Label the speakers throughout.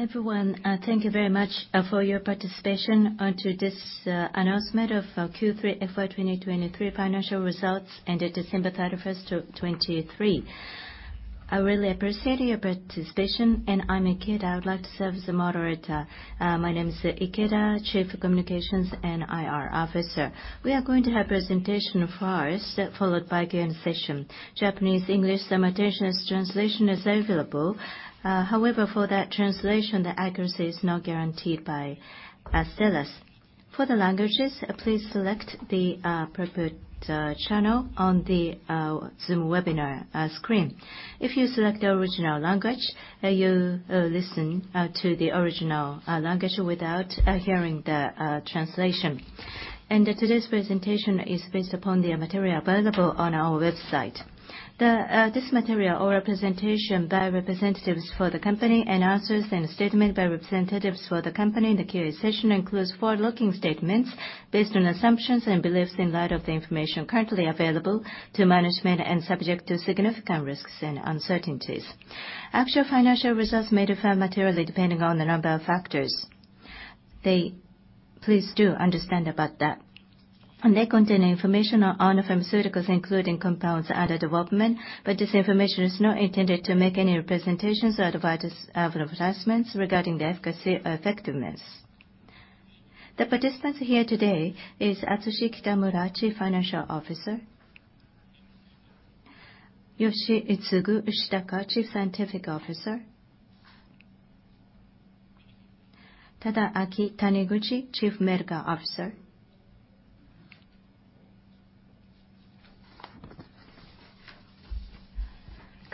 Speaker 1: Everyone, thank you very much for your participation onto this announcement of our Q3 FY 2023 financial results and the December 31st, 2023. I really appreciate your participation, and I'm Ikeda. I would like to serve as a moderator. My name is Ikeda, Chief of Communications and IR Officer. We are going to have presentation first, followed by Q&A session. Japanese, English, simultaneous translation is available. However, for that translation, the accuracy is not guaranteed by Astellas. For the languages, please select the appropriate channel on the Zoom webinar screen. If you select the original language, you'll listen to the original language without hearing the translation. And today's presentation is based upon the material available on our website. This material or representation by representatives for the company and answers and statement by representatives for the company in the Q&A session includes forward-looking statements based on assumptions and beliefs in light of the information currently available to management and subject to significant risks and uncertainties. Actual financial results may differ materially depending on the number of factors. They. Please do understand about that. They contain information on all pharmaceuticals, including compounds under development, but this information is not intended to make any representations or advertise advertisements regarding the efficacy or effectiveness. The participants here today is Atsushi Kitamura, Chief Financial Officer; Yoshitsugu Shitaka, Chief Scientific Officer; Tadaaki Taniguchi, Chief Medical Officer;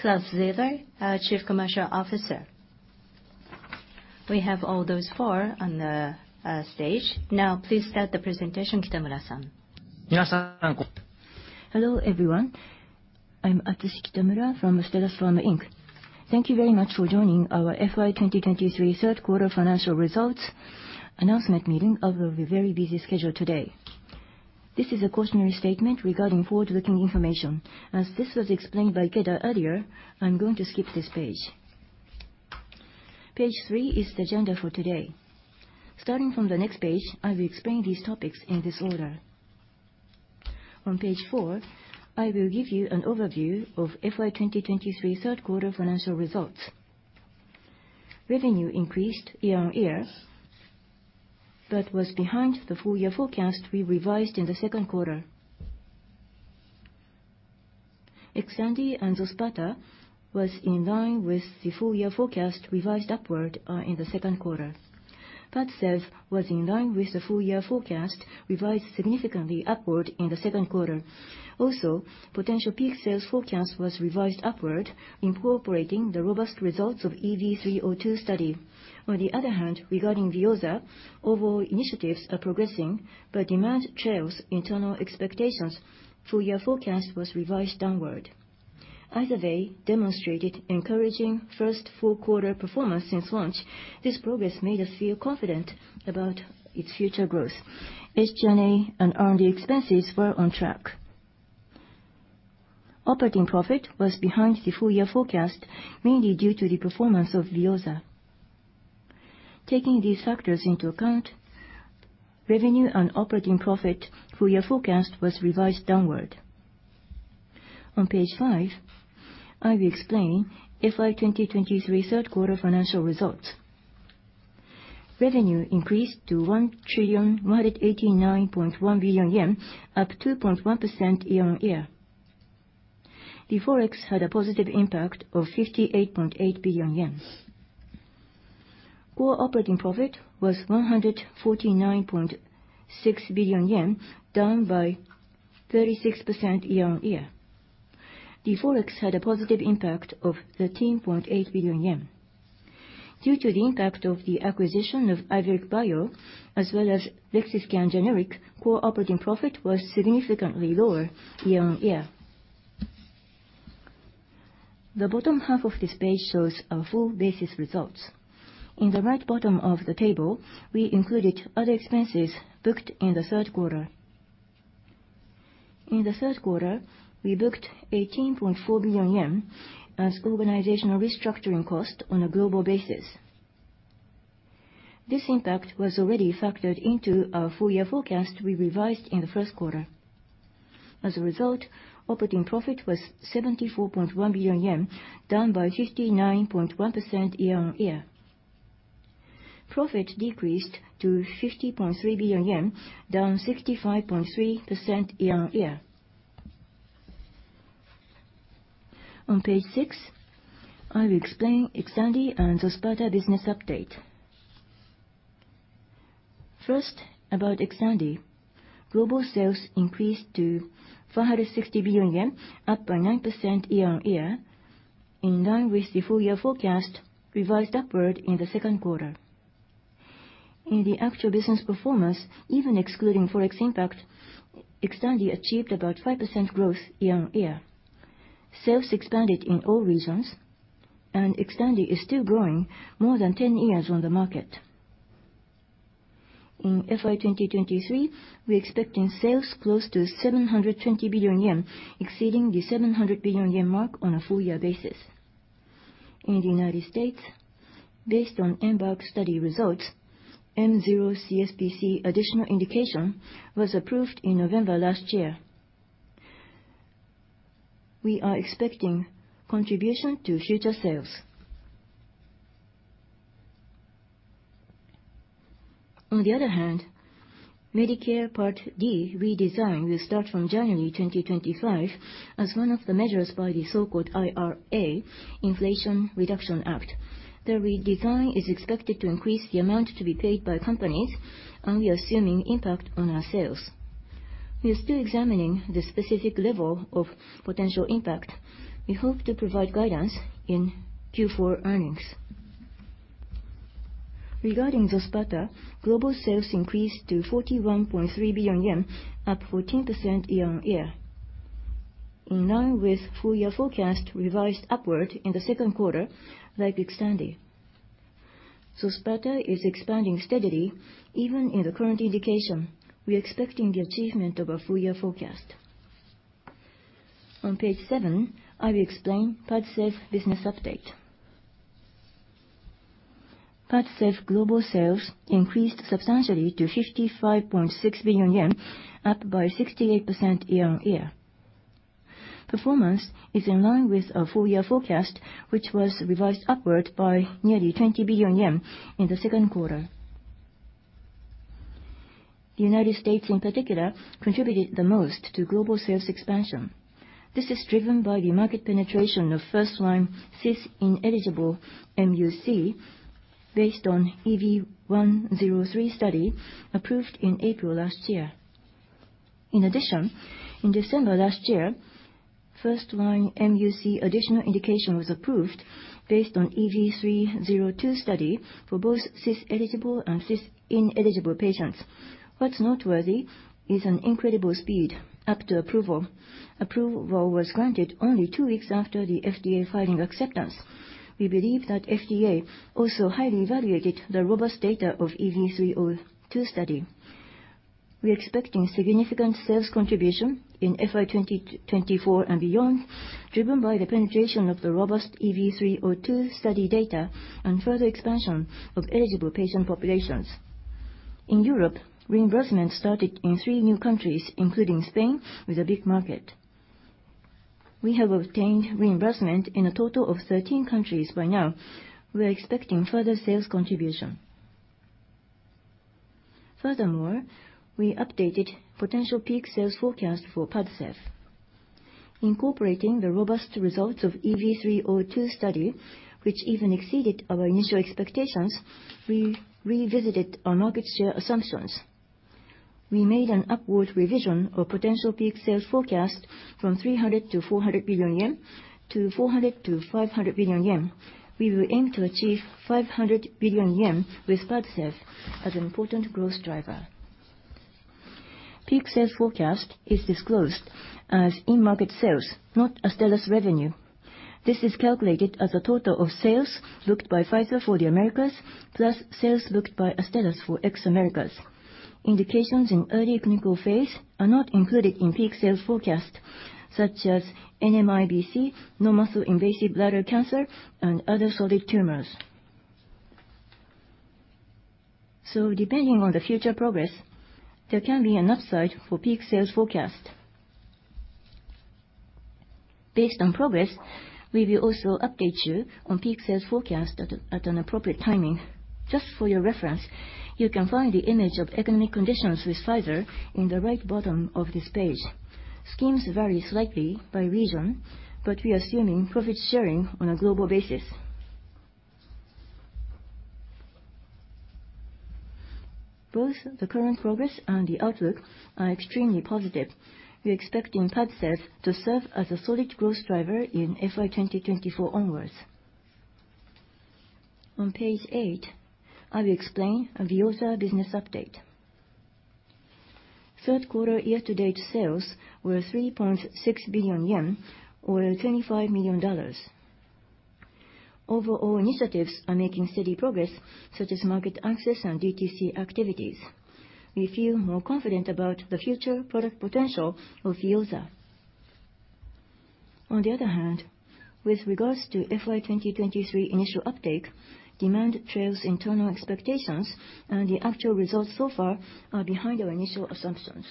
Speaker 1: Claus Zieler, our Chief Commercial Officer. We have all those four on the stage. Now, please start the presentation, Kitamura-san.
Speaker 2: Hello, everyone. I'm Atsushi Kitamura from Astellas Pharma Inc. Thank you very much for joining our FY 2023 third quarter financial results announcement meeting of a very busy schedule today. This is a cautionary statement regarding forward-looking information. As this was explained by Ikeda earlier, I'm going to skip this page. Page 3 is the agenda for today. Starting from the next page, I will explain these topics in this order. On page 4, I will give you an overview of FY 2023 third quarter financial results. Revenue increased year-on-year, but was behind the full year forecast we revised in the second quarter. XTANDI and XOSPATA was in line with the full-year forecast, revised upward, in the second quarter. PADCEV was in line with the full-year forecast, revised significantly upward in the second quarter. Also, potential peak sales forecast was revised upward, incorporating the robust results of EV-302 study. On the other hand, regarding VEOZAH, overall initiatives are progressing, but demand trails internal expectations. Full-year forecast was revised downward. Either way, demonstrated encouraging first full quarter performance since launch. This progress made us feel confident about its future growth. SG&A and R&D expenses were on track. Operating profit was behind the full-year forecast, mainly due to the performance of VEOZAH. Taking these factors into account, revenue and operating profit full-year forecast was revised downward. On page 5, I will explain FY 2023 third quarter financial results. Revenue increased to 1,189.1 billion yen, up 2.1% year-on-year. The Forex had a positive impact of 58.8 billion yen. Core operating profit was JPY 149.6 billion, down by 36% year-on-year. The Forex had a positive impact of 13.8 billion yen. Due to the impact of the acquisition of Iveric Bio, as well as LEXISCAN generic, core operating profit was significantly lower year-on-year. The bottom half of this page shows our full basis results. In the right bottom of the table, we included other expenses booked in the third quarter. In the third quarter, we booked 18.4 billion yen as organizational restructuring cost on a global basis. This impact was already factored into our full-year forecast we revised in the first quarter. As a result, operating profit was 74.1 billion yen, down by 59.1% year-on-year. Profit decreased to 50.3 billion yen, down 65.3% year-on-year. On page 6, I will explain XTANDI and XOSPATA business update. First, about XTANDI. Global sales increased to 460 billion yen, up by 9% year-on-year, in line with the full-year forecast, revised upward in the second quarter. In the actual business performance, even excluding Forex impact, XTANDI achieved about 5% growth year-on-year. Sales expanded in all regions, and XTANDI is still growing more than 10 years on the market.... In FY 2023, we're expecting sales close to 720 billion yen, exceeding the 700 billion yen mark on a full-year basis. In the United States, based on EMBARK study results, M0 CSPC additional indication was approved in November last year. We are expecting contribution to future sales. On the other hand, Medicare Part D redesign will start from January 2025 as one of the measures by the so-called IRA, Inflation Reduction Act. The redesign is expected to increase the amount to be paid by companies, and we are assuming impact on our sales. We are still examining the specific level of potential impact. We hope to provide guidance in Q4 earnings. Regarding XOSPATA, global sales increased to 41.3 billion yen, up 14% year-on-year. In line with full-year forecast revised upward in the second quarter, they've expanded. XOSPATA is expanding steadily, even in the current indication. We are expecting the achievement of our full-year forecast. On page 7, I will explain PADCEV business update. PADCEV global sales increased substantially to 55.6 billion yen, up by 68% year-on-year. Performance is in line with our full-year forecast, which was revised upward by nearly 20 billion yen in the second quarter. The United States, in particular, contributed the most to global sales expansion. This is driven by the market penetration of first-line cis-ineligible mUC, based on EV-103 study, approved in April last year. In addition, in December last year, first-line mUC additional indication was approved based on EV-302 study for both cis-eligible and cis-ineligible patients. What's noteworthy is an incredible speed up to approval. Approval was granted only two weeks after the FDA filing acceptance. We believe that FDA also highly evaluated the robust data of EV-302 study. We're expecting significant sales contribution in FY 2024 and beyond, driven by the penetration of the robust EV-302 study data and further expansion of eligible patient populations. In Europe, reimbursement started in three new countries, including Spain, with a big market. We have obtained reimbursement in a total of 13 countries by now. We are expecting further sales contribution. Furthermore, we updated potential peak sales forecast for PADCEV. Incorporating the robust results of EV-302 study, which even exceeded our initial expectations, we revisited our market share assumptions. We made an upward revision of potential peak sales forecast from 300 billion-400 billion to 400 billion-500 billion yen. We will aim to achieve 500 billion yen with PADCEV as an important growth driver. Peak sales forecast is disclosed as in-market sales, not Astellas revenue. This is calculated as a total of sales booked by Pfizer for the Americas, plus sales booked by Astellas for ex-Americas. Indications in early clinical phase are not included in peak sales forecast, such as NMIBC, non-muscle invasive bladder cancer, and other solid tumors. So depending on the future progress, there can be an upside for peak sales forecast. Based on progress, we will also update you on peak sales forecast at an appropriate timing. Just for your reference, you can find the image of economic conditions with Pfizer in the right bottom of this page. Schemes vary slightly by region, but we are assuming profit sharing on a global basis. Both the current progress and the outlook are extremely positive. We are expecting PADCEV to serve as a solid growth driver in FY 2024 onwards. On page 8, I will explain a VEOZAH business update. Third quarter year-to-date sales were 3.6 billion yen, or $25 million. Overall initiatives are making steady progress, such as market access and DTC activities. We feel more confident about the future product potential of VEOZAH. On the other hand, with regards to FY 2023 initial uptake, demand trails internal expectations, and the actual results so far are behind our initial assumptions.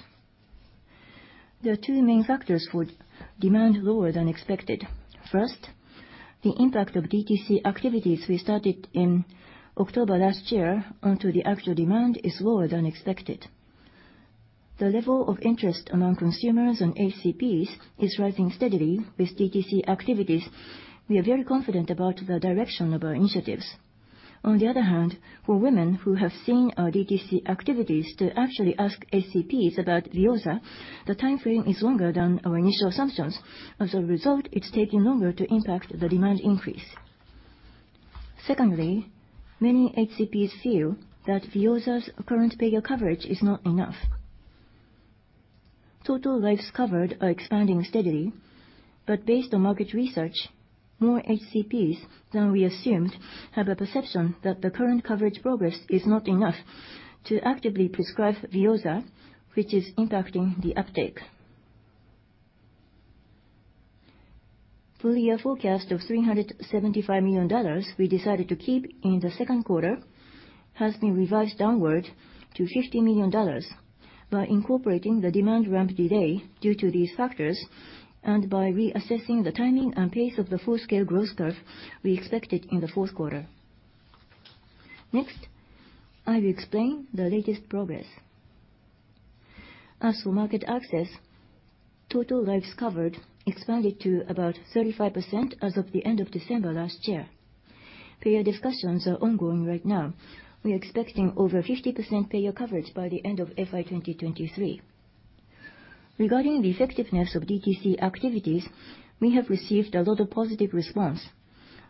Speaker 2: There are two main factors for demand lower than expected. First, the impact of DTC activities we started in October last year onto the actual demand is lower than expected. The level of interest among consumers and HCPs is rising steadily with DTC activities. We are very confident about the direction of our initiatives. On the other hand, for women who have seen our DTC activities to actually ask HCPs about VEOZAH, the time frame is longer than our initial assumptions. As a result, it's taking longer to impact the demand increase. Secondly, many HCPs feel that VEOZAH's current payer coverage is not enough. Total lives covered are expanding steadily, but based on market research, more HCPs than we assumed have a perception that the current coverage progress is not enough to actively prescribe VEOZAH, which is impacting the uptake. Full year forecast of $375 million we decided to keep in the second quarter, has been revised downward to $50 million by incorporating the demand ramp delay due to these factors, and by reassessing the timing and pace of the full-scale growth curve we expected in the fourth quarter. Next, I will explain the latest progress. As for market access, total lives covered expanded to about 35% as of the end of December last year. Payer discussions are ongoing right now. We are expecting over 50% payer coverage by the end of FY 2023. Regarding the effectiveness of DTC activities, we have received a lot of positive response.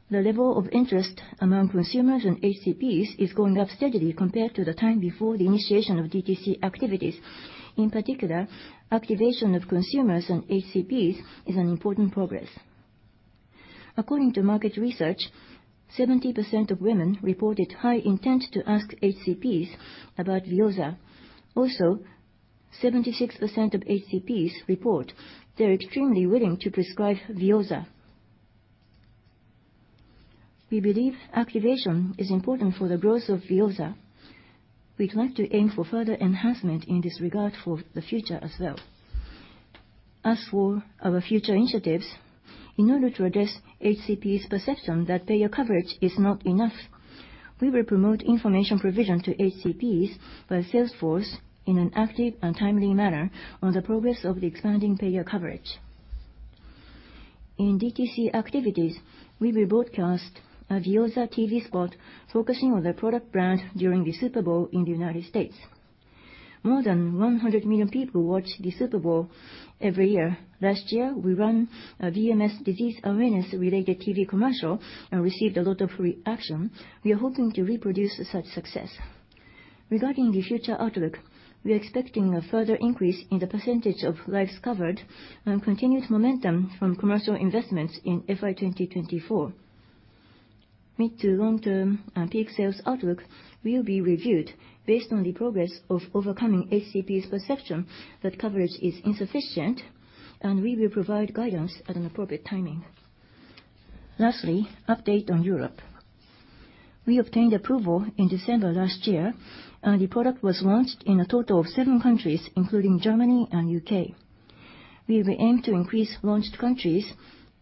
Speaker 2: The level of interest among consumers and HCPs is going up steadily compared to the time before the initiation of DTC activities. In particular, activation of consumers and HCPs is an important progress. According to market research, 70% of women reported high intent to ask HCPs about VEOZAH. Also, 76% of HCPs report they're extremely willing to prescribe VEOZAH. We believe activation is important for the growth of VEOZAH. We'd like to aim for further enhancement in this regard for the future as well. As for our future initiatives, in order to address HCPs' perception that payer coverage is not enough, we will promote information provision to HCPs by sales force in an active and timely manner on the progress of the expanding payer coverage. In DTC activities, we will broadcast a VEOZAH TV spot focusing on the product brand during the Super Bowl in the United States. More than 100 million people watch the Super Bowl every year. Last year, we ran a VMS disease awareness-related TV commercial and received a lot of reaction. We are hoping to reproduce such success. Regarding the future outlook, we are expecting a further increase in the percentage of lives covered and continued momentum from commercial investments in FY 2024. Mid to long-term, peak sales outlook will be reviewed based on the progress of overcoming HCPs' perception that coverage is insufficient, and we will provide guidance at an appropriate timing. Lastly, update on Europe. We obtained approval in December last year, and the product was launched in a total of 7 countries, including Germany and UK. We will aim to increase launched countries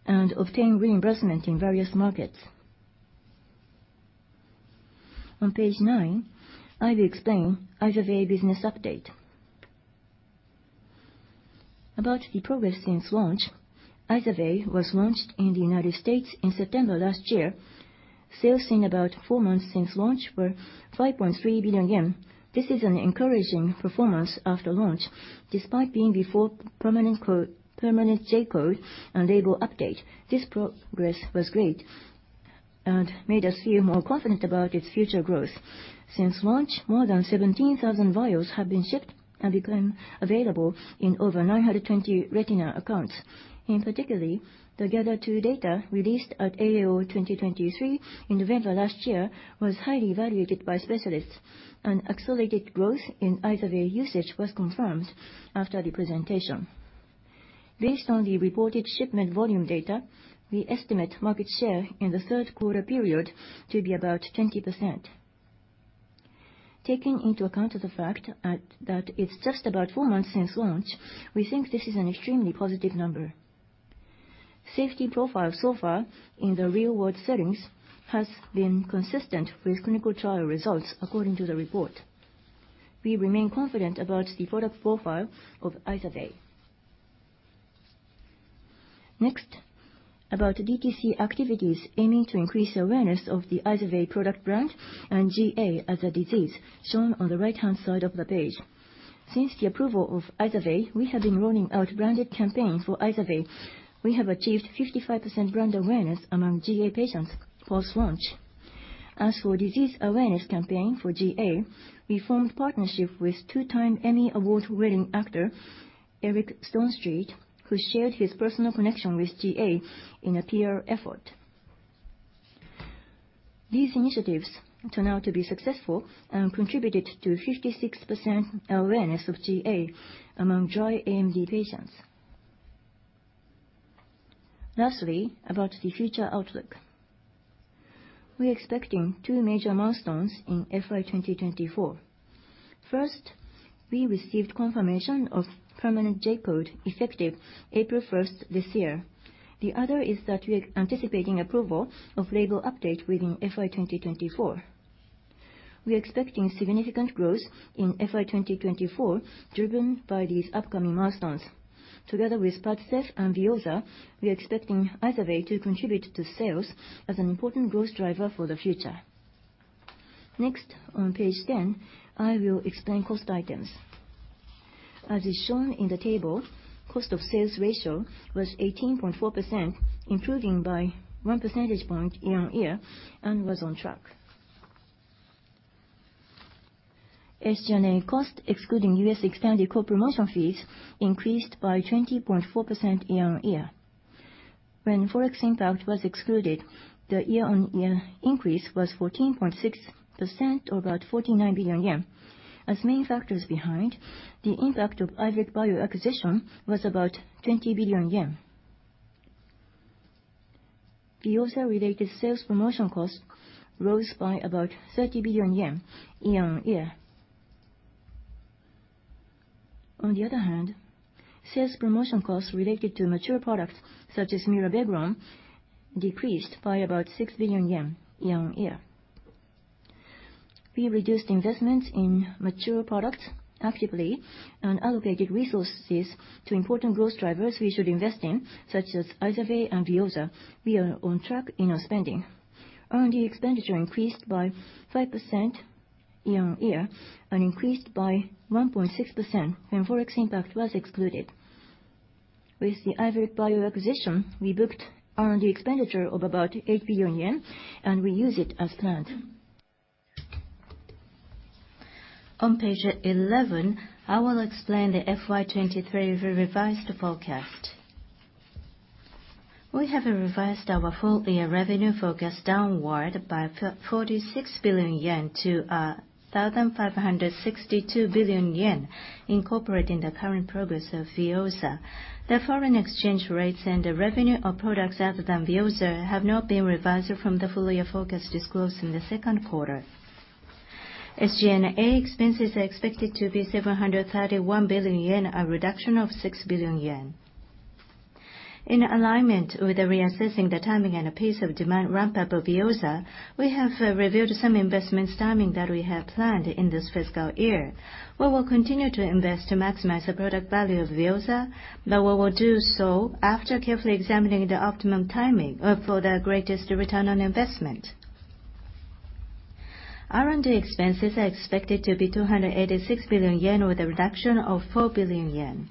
Speaker 2: and obtain reimbursement in various markets. On page 9, I will explain IZERVAY business update. About the progress since launch, IZERVAY was launched in the United States in September last year. Sales in about 4 months since launch were 5.3 billion yen. This is an encouraging performance after launch, despite being before permanent J-code and label update. This progress was great and made us feel more confident about its future growth. Since launch, more than 17,000 vials have been shipped and become available in over 920 retina accounts. In particular, the GATHER2 data released at AAO 2023 in November last year was highly evaluated by specialists, and accelerated growth in IZERVAY usage was confirmed after the presentation. Based on the reported shipment volume data, we estimate market share in the third quarter period to be about 20%. Taking into account of the fact that it's just about four months since launch, we think this is an extremely positive number. Safety profile so far in the real-world settings has been consistent with clinical trial results, according to the report. We remain confident about the product profile of IZERVAY. Next, about DTC activities aiming to increase awareness of the IZERVAY product brand and GA as a disease, shown on the right-hand side of the page. Since the approval of IZERVAY, we have been rolling out branded campaign for IZERVAY. We have achieved 55% brand awareness among GA patients post-launch. As for disease awareness campaign for GA, we formed partnership with two-time Emmy Award-winning actor, Eric Stonestreet, who shared his personal connection with GA in a peer effort. These initiatives turned out to be successful and contributed to 56% awareness of GA among dry AMD patients. Lastly, about the future outlook. We're expecting two major milestones in FY 2024. First, we received confirmation of permanent J-code, effective April 1 this year. The other is that we are anticipating approval of label update within FY 2024. We are expecting significant growth in FY 2024, driven by these upcoming milestones. Together with PADCEV and VEOZAH, we are expecting IZERVAY to contribute to sales as an important growth driver for the future. Next, on page 10, I will explain cost items. As is shown in the table, cost of sales ratio was 18.4%, improving by 1 percentage point year-on-year and was on track. ... SG&A cost, excluding US extended co-promotion fees, increased by 20.4% year-on-year. When Forex impact was excluded, the year-on-year increase was 14.6%, or about 49 billion yen. As main factors behind, the impact of Iveric Bio acquisition was about 20 billion yen. VEOZAH-related sales promotion costs rose by about 30 billion yen year-on-year. On the other hand, sales promotion costs related to mature products, such as mirabegron, decreased by about 6 billion yen year-on-year. We reduced investments in mature products actively and allocated resources to important growth drivers we should invest in, such as IZERVAY and VEOZAH. We are on track in our spending. R&D expenditure increased by 5% year-on-year and increased by 1.6% when Forex impact was excluded. With the Iveric Bio acquisition, we booked R&D expenditure of about 8 billion yen, and we use it as planned. On page 11, I will explain the FY 2023 revised forecast. We have revised our full-year revenue forecast downward by 46 billion yen to 1,562 billion yen, incorporating the current progress of VEOZAH. The foreign exchange rates and the revenue of products other than VEOZAH have not been revised from the full-year forecast disclosed in the second quarter. SG&A expenses are expected to be 731 billion yen, a reduction of 6 billion yen. In alignment with reassessing the timing and pace of demand ramp-up of VEOZAH, we have reviewed some investments timing that we had planned in this fiscal year. We will continue to invest to maximize the product value of VEOZAH, but we will do so after carefully examining the optimum timing for the greatest return on investment. R&D expenses are expected to be 286 billion yen, with a reduction of 4 billion yen.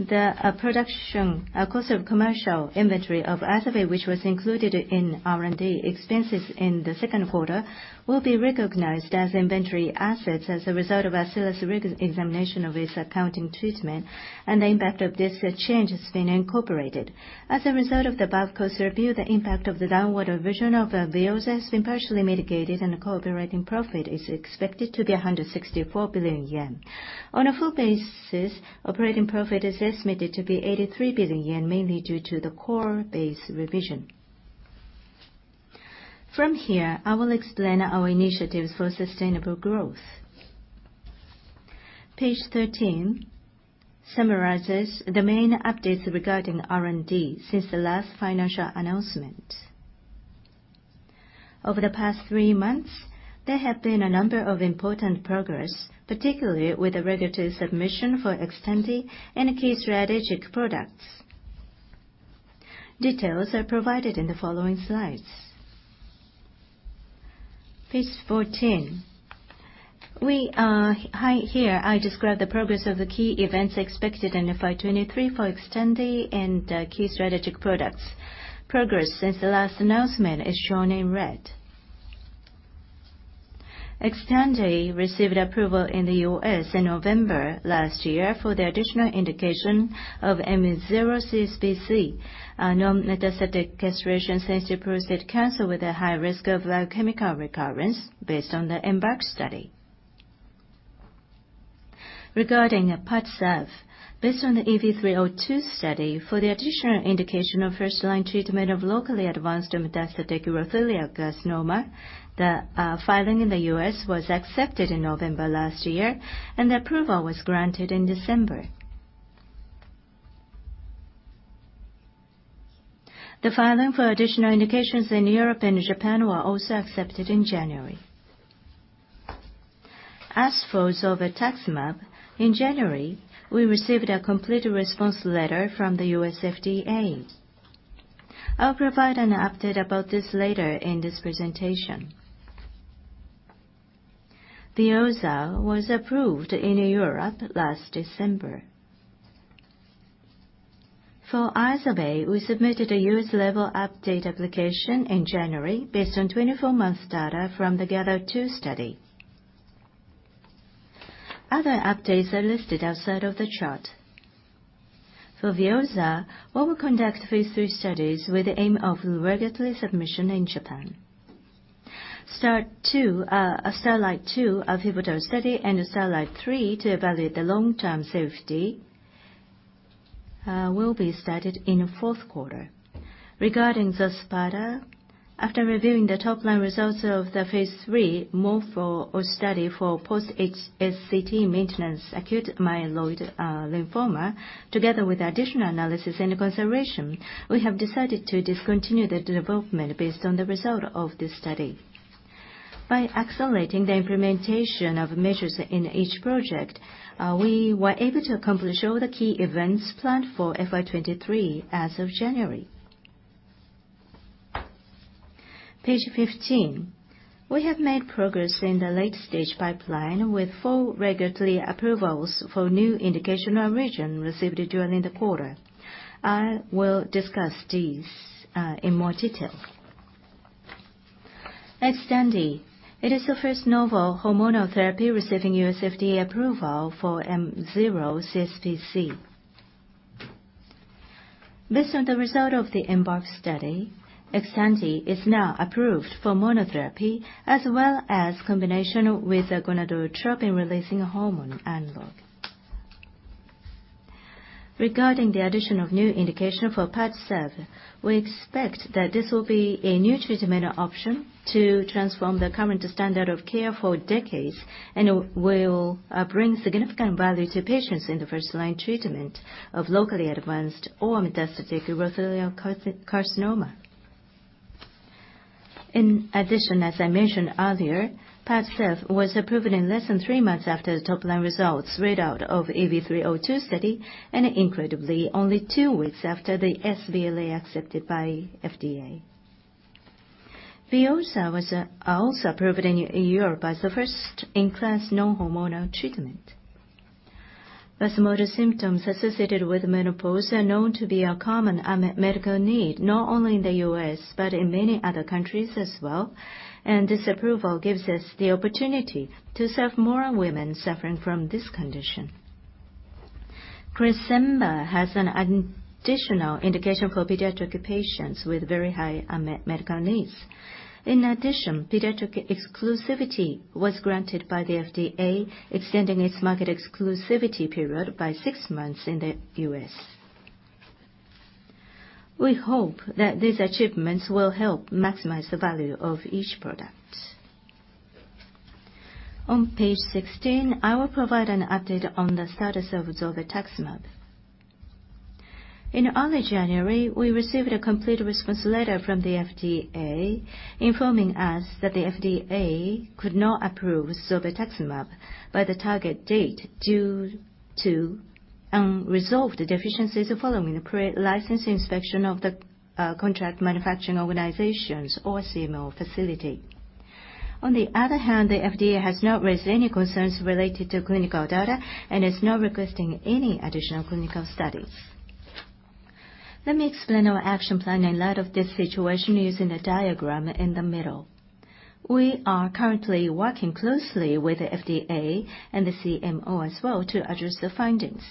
Speaker 2: The production cost of commercial inventory of IZERVAY, which was included in R&D expenses in the second quarter, will be recognized as inventory assets as a result of our serious re-examination of its accounting treatment, and the impact of this change has been incorporated. As a result of the above cost review, the impact of the downward revision of VEOZAH has been partially mitigated, and the operating profit is expected to be 164 billion yen. On a full basis, operating profit is estimated to be 83 billion yen, mainly due to the core base revision. From here, I will explain our initiatives for sustainable growth. Page 13 summarizes the main updates regarding R&D since the last financial announcement. Over the past three months, there have been a number of important progress, particularly with the regulatory submission for XTANDI and key strategic products. Details are provided in the following slides. Page 14. Here I describe the progress of the key events expected in FY 2023 for XTANDI and key strategic products. Progress since the last announcement is shown in red. XTANDI received approval in the US in November last year for the additional indication of M0 CSPC, non-metastatic castration-sensitive prostate cancer with a high risk of biochemical recurrence based on the EMBARK study. Regarding PADCEV, based on the EV-302 study, for the additional indication of first-line treatment of locally advanced or metastatic urothelial carcinoma, the filing in the US was accepted in November last year, and the approval was granted in December. The filing for additional indications in Europe and Japan were also accepted in January. As for zolbetuximab, in January, we received a complete response letter from the U.S. FDA. I'll provide an update about this later in this presentation. VEOZAH was approved in Europe last December. For IZERVAY, we submitted a U.S. label update application in January based on 24-month data from the GATHER2 study. Other updates are listed outside of the chart. For VEOZAH, we will conduct phase three studies with the aim of regulatory submission in Japan. STARLIGHT 2, a pivotal study, and STARLIGHT 3 to evaluate the long-term safety, will be started in the fourth quarter. Regarding XOSPATA, after reviewing the top-line results of the phase 3 MORPHO study for post-HSCT maintenance acute myeloid leukemia, together with additional analysis and consideration, we have decided to discontinue the development based on the result of this study. By accelerating the implementation of measures in each project, we were able to accomplish all the key events planned for FY2023 as of January. Page 15. We have made progress in the late-stage pipeline, with 4 regulatory approvals for new indication or region received during the quarter. I will discuss these in more detail. XTANDI, it is the first novel hormonal therapy receiving U.S. FDA approval for M0 CSPC. Based on the result of the EMBARK study, XTANDI is now approved for monotherapy, as well as combination with a gonadotropin-releasing hormone analog. Regarding the addition of new indication for PADCEV, we expect that this will be a new treatment option to transform the current standard of care for decades, and it will bring significant value to patients in the first-line treatment of locally advanced or metastatic urothelial carcinoma. In addition, as I mentioned earlier, PADCEV was approved in less than 3 months after the top-line results readout of EV-302 study, and incredibly, only 2 weeks after the sBLA accepted by FDA. VEOZAH was also approved in Europe as the first-in-class non-hormonal treatment. Vasomotor symptoms associated with menopause are known to be a common medical need, not only in the U.S., but in many other countries as well, and this approval gives us the opportunity to serve more women suffering from this condition. CRESEMBA has an additional indication for pediatric patients with very high medical needs. In addition, pediatric exclusivity was granted by the FDA, extending its market exclusivity period by six months in the US. We hope that these achievements will help maximize the value of each product. On page 16, I will provide an update on the status of zolbetuximab. In early January, we received a Complete Response Letter from the FDA, informing us that the FDA could not approve zolbetuximab by the target date due to unresolved deficiencies following a pre-license inspection of the contract manufacturing organizations or CMO facility. On the other hand, the FDA has not raised any concerns related to clinical data and is not requesting any additional clinical studies. Let me explain our action plan in light of this situation using the diagram in the middle. We are currently working closely with the FDA and the CMO as well to address the findings.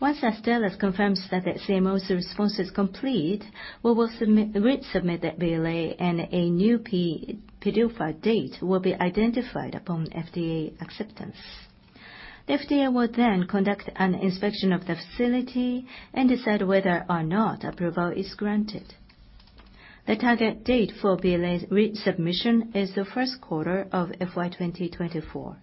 Speaker 2: Once Astellas confirms that the CMO's response is complete, we will resubmit the BLA, and a new PDUFA date will be identified upon FDA acceptance. The FDA will then conduct an inspection of the facility and decide whether or not approval is granted. The target date for BLA resubmission is the first quarter of FY 2024.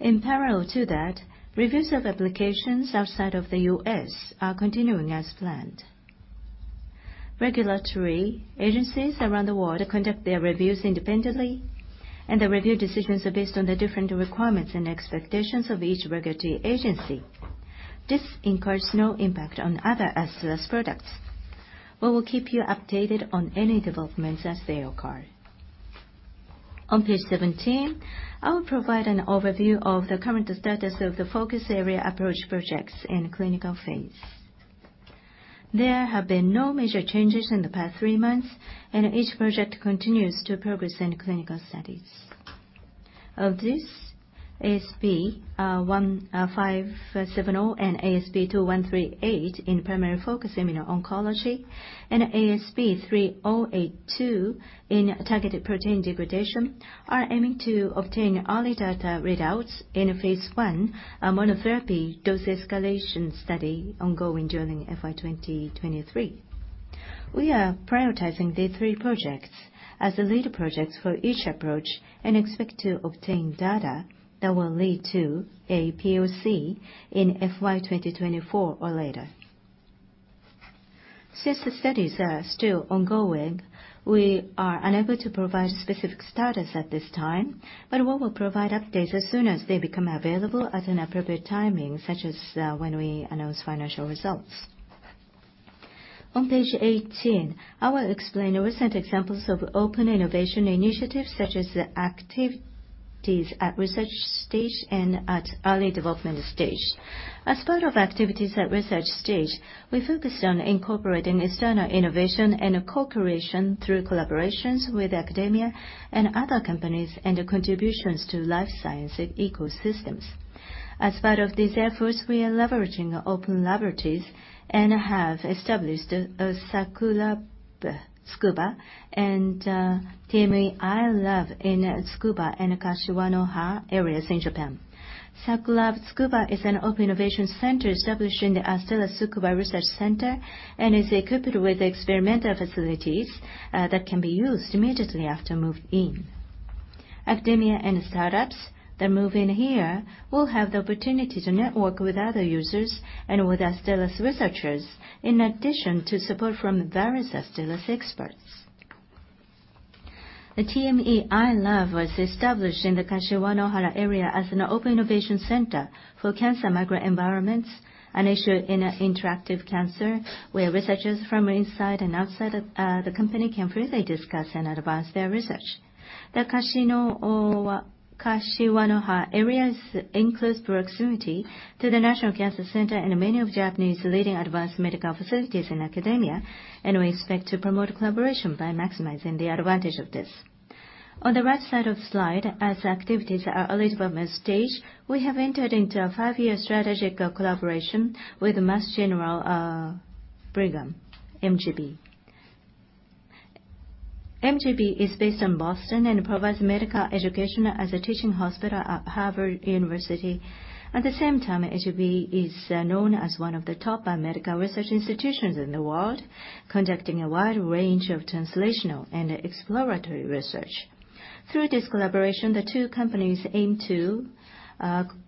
Speaker 2: In parallel to that, reviews of applications outside of the U.S. are continuing as planned. Regulatory agencies around the world conduct their reviews independently, and the review decisions are based on the different requirements and expectations of each regulatory agency. This incurs no impact on other Astellas products. We will keep you updated on any developments as they occur. On page 17, I will provide an overview of the current status of the focus area approach projects in clinical phase. There have been no major changes in the past three months, and each project continues to progress in clinical studies. Of this, ASP1570 and ASP2138 in primary focus immuno-oncology, and ASP3082 in targeted protein degradation, are aiming to obtain early data readouts in a phase one monotherapy dose escalation study ongoing during FY 2023. We are prioritizing these three projects as the lead projects for each approach and expect to obtain data that will lead to a POC in FY 2024 or later. Since the studies are still ongoing, we are unable to provide specific status at this time, but we will provide updates as soon as they become available at an appropriate timing, such as when we announce financial results. On page 18, I will explain recent examples of open innovation initiatives, such as the activities at research stage and at early development stage. As part of activities at research stage, we focused on incorporating external innovation and co-creation through collaborations with academia and other companies, and the contributions to life science ecosystems. As part of these efforts, we are leveraging open laboratories and have established SakuLab-Tsukuba and TME iLab in Tsukuba and Kashiwanoha areas in Japan. SakuLab-Tsukuba is an open innovation center established in the Astellas Tsukuba Research Center and is equipped with experimental facilities that can be used immediately after move in. Academia and startups that move in here will have the opportunity to network with other users and with Astellas researchers, in addition to support from various Astellas experts. The TME iLab was established in the Kashiwanoha area as an open innovation center for cancer microenvironments, an issue in interactive cancer, where researchers from inside and outside of the company can freely discuss and advance their research. The Kashino, or Kashiwanoha area is in close proximity to the National Cancer Center and many of Japanese leading advanced medical facilities in academia, and we expect to promote collaboration by maximizing the advantage of this. On the right side of slide, as activities are early development stage, we have entered into a five-year strategic collaboration with Mass General Brigham, MGB. MGB is based in Boston and provides medical education as a teaching hospital at Harvard University. At the same time, MGB is known as one of the top biomedical research institutions in the world, conducting a wide range of translational and exploratory research. Through this collaboration, the two companies aim to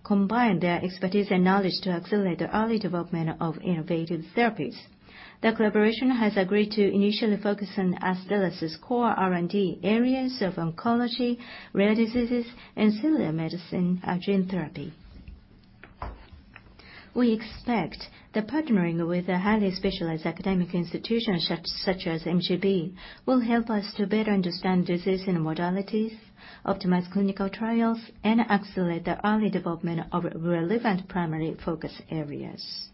Speaker 2: combine their expertise and knowledge to accelerate the early development of innovative therapies. The collaboration has agreed to initially focus on Astellas' core R&D areas of oncology, rare diseases, and cellular medicine, gene therapy. We expect that partnering with a highly specialized academic institution such as MGB will help us to better understand disease and modalities, optimize clinical trials, and accelerate the early development of relevant primary focus areas.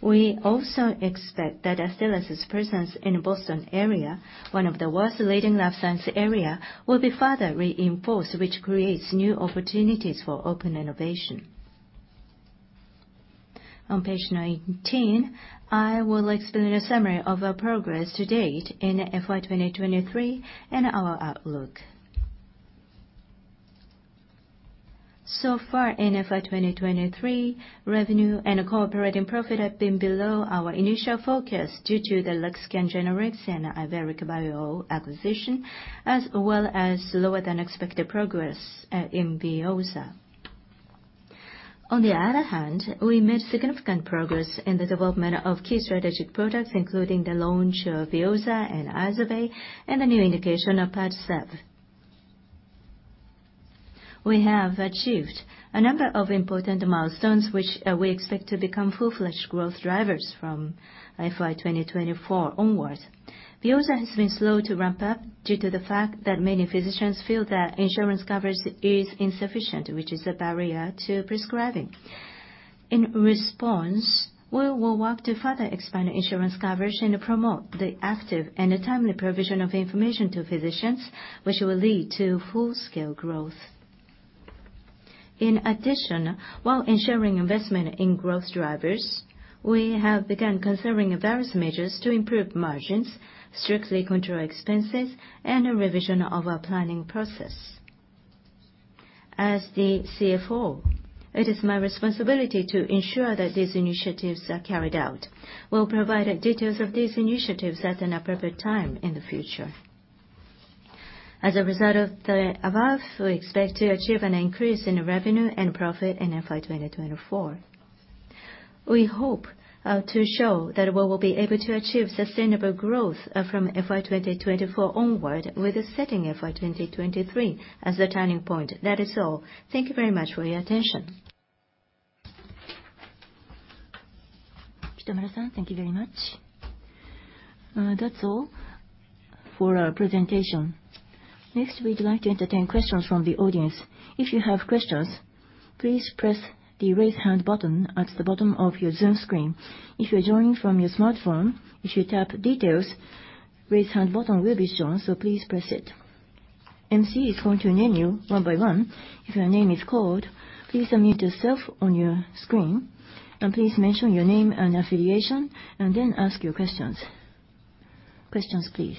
Speaker 2: We also expect that Astellas' presence in Boston area, one of the world's leading life science area, will be further reinforced, which creates new opportunities for open innovation. On page 19, I will explain a summary of our progress to date in FY2023 and our outlook. So far in FY 2023, revenue and operating profit have been below our initial forecast due to the LEXISCAN generics and Iveric Bio acquisition, as well as lower-than-expected progress in VEOZAH. On the other hand, we made significant progress in the development of key strategic products, including the launch of VEOZAH and IZERVAY, and the new indication of PADCEV. We have achieved a number of important milestones, which we expect to become full-fledged growth drivers from FY 2024 onwards. VEOZAH has been slow to ramp up due to the fact that many physicians feel that insurance coverage is insufficient, which is a barrier to prescribing. In response, we will work to further expand insurance coverage and promote the active and timely provision of information to physicians, which will lead to full-scale growth. In addition, while ensuring investment in growth drivers, we have begun considering various measures to improve margins, strictly control expenses, and a revision of our planning process. As the CFO, it is my responsibility to ensure that these initiatives are carried out. We'll provide the details of these initiatives at an appropriate time in the future. As a result of the above, we expect to achieve an increase in revenue and profit in FY 2024. We hope to show that we will be able to achieve sustainable growth from FY 2024 onward, with setting FY 2023 as the turning point. That is all. Thank you very much for your attention.
Speaker 1: Thank you very much. That's all for our presentation. Next, we'd like to entertain questions from the audience. If you have questions, please press the Raise Hand button at the bottom of your Zoom screen. If you are joining from your smartphone, if you tap Details, Raise Hand button will be shown, so please press it. MC is going to name you one by one. If your name is called, please unmute yourself on your screen, and please mention your name and affiliation, and then ask your questions. Questions, please.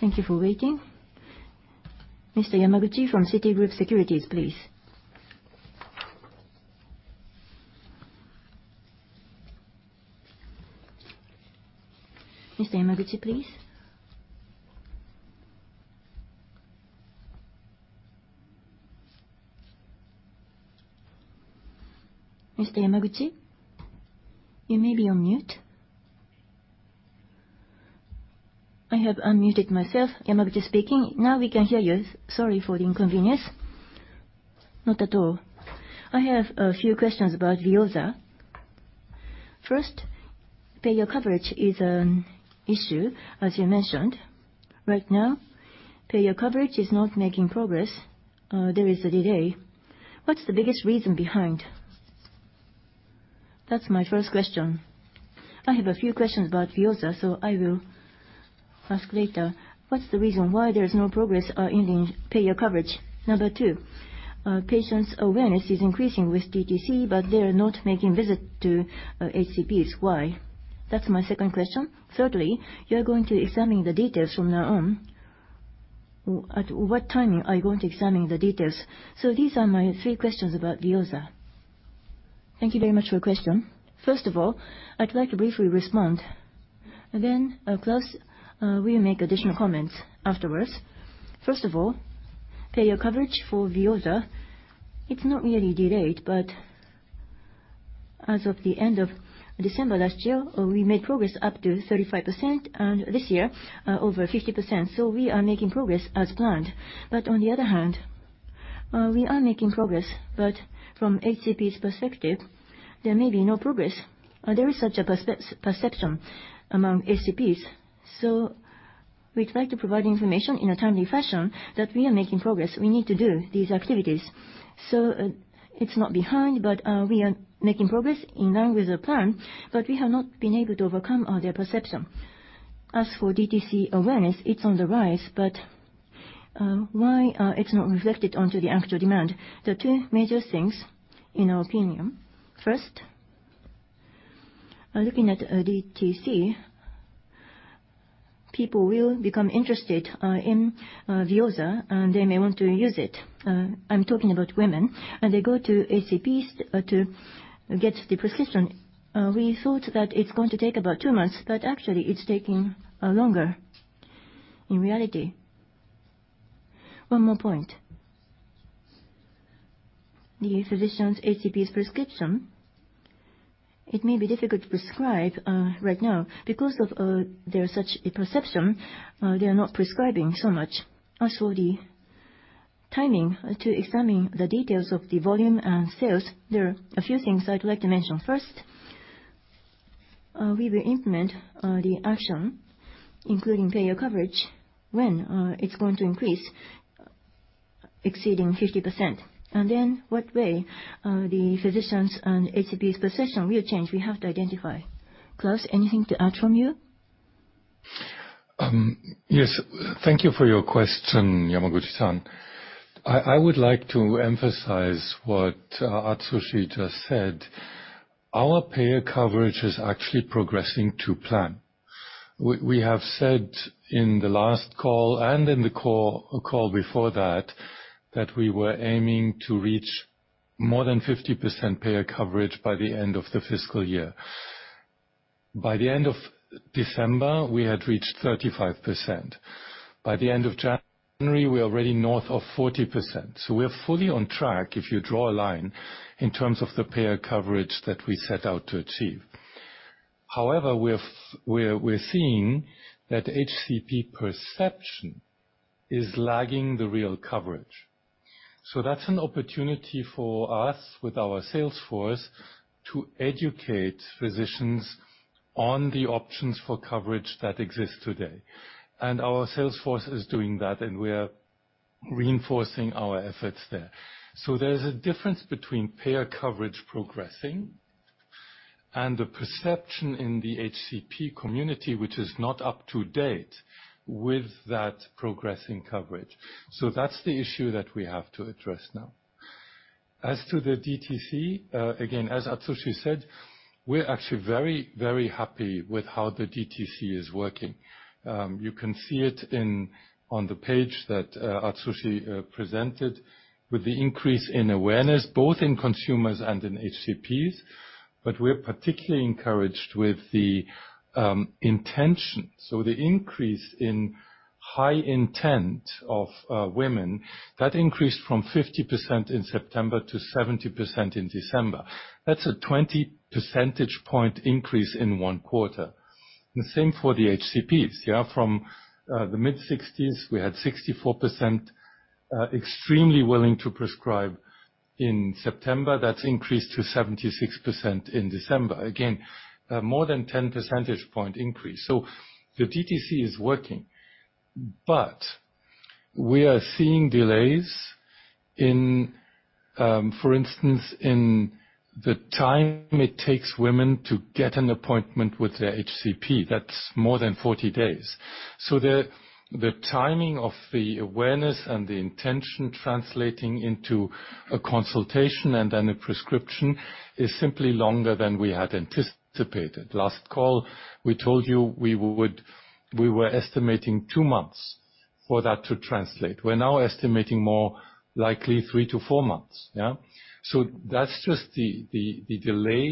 Speaker 1: Thank you for waiting. Mr. Yamaguchi from Citigroup Securities, please. Mr. Yamaguchi, please? Mr. Yamaguchi, you may be on mute. I have unmuted myself. Yamaguchi speaking. Now we can hear you. Sorry for the inconvenience. Not at all. I have a few questions about VEOZAH. First, payer coverage is an issue, as you mentioned.
Speaker 3: Right now, payer coverage is not making progress. There is a delay. What's the biggest reason behind? That's my first question. I have a few questions about VEOZAH, so I will ask later. What's the reason why there's no progress in the payer coverage? Number two, patients' awareness is increasing with DTC, but they are not making visit to HCPs. Why? That's my second question. Thirdly, you are going to examine the details from now on. At what timing are you going to examine the details? So these are my three questions about VEOZAH.
Speaker 1: Thank you very much for your question. First of all, I'd like to briefly respond, then, Claus, will make additional comments afterwards. First of all, payer coverage for VEOZAH, it's not really delayed, but as of the end of December last year, we made progress up to 35%, and this year, over 50%. So we are making progress as planned. But on the other hand, we are making progress, but from HCP's perspective, there may be no progress. There is such a perception among HCPs. So...... We'd like to provide information in a timely fashion that we are making progress. We need to do these activities. So, it's not behind, but, we are making progress in line with the plan, but we have not been able to overcome all their perception. As for DTC awareness, it's on the rise, but, why, it's not reflected onto the actual demand? There are two major things, in our opinion. First, looking at, DTC, people will become interested, in, VEOZAH, and they may want to use it. I'm talking about women, and they go to HCPs, to get the prescription. We thought that it's going to take about two months, but actually it's taking, longer in reality. One more point. The physician's HCP prescription, it may be difficult to prescribe, right now. Because of, there is such a perception, they are not prescribing so much. As for the timing, to examine the details of the volume and sales, there are a few things I'd like to mention. First, we will implement the action, including payer coverage, when it's going to increase exceeding 50%. And then, what way, the physicians and HCPs perception will change, we have to identify. Claus, anything to add from you?
Speaker 4: Yes. Thank you for your question, Yamaguchi-san. I, I would like to emphasize what, Atsushi just said. Our payer coverage is actually progressing to plan. We, we have said in the last call and in the call, call before that, that we were aiming to reach more than 50% payer coverage by the end of the fiscal year. By the end of December, we had reached 35%. By the end of January, we're already north of 40%. So we're fully on track if you draw a line in terms of the payer coverage that we set out to achieve. However, we're, we're seeing that HCP perception is lagging the real coverage. So that's an opportunity for us, with our sales force, to educate physicians on the options for coverage that exist today. Our sales force is doing that, and we are reinforcing our efforts there. So there's a difference between payer coverage progressing and the perception in the HCP community, which is not up to date with that progressing coverage. So that's the issue that we have to address now. As to the DTC, again, as Atsushi said, we're actually very, very happy with how the DTC is working. You can see it in on the page that Atsushi presented with the increase in awareness, both in consumers and in HCPs. But we're particularly encouraged with the intention. So the increase in high intent of women, that increased from 50% in September to 70% in December. That's a 20 percentage point increase in one quarter. And the same for the HCPs, yeah? From the mid-sixties, we had 64% extremely willing to prescribe in September. That's increased to 76% in December. Again, more than 10 percentage points increase. So the DTC is working, but we are seeing delays in... For instance, in the time it takes women to get an appointment with their HCP. That's more than 40 days. So the delay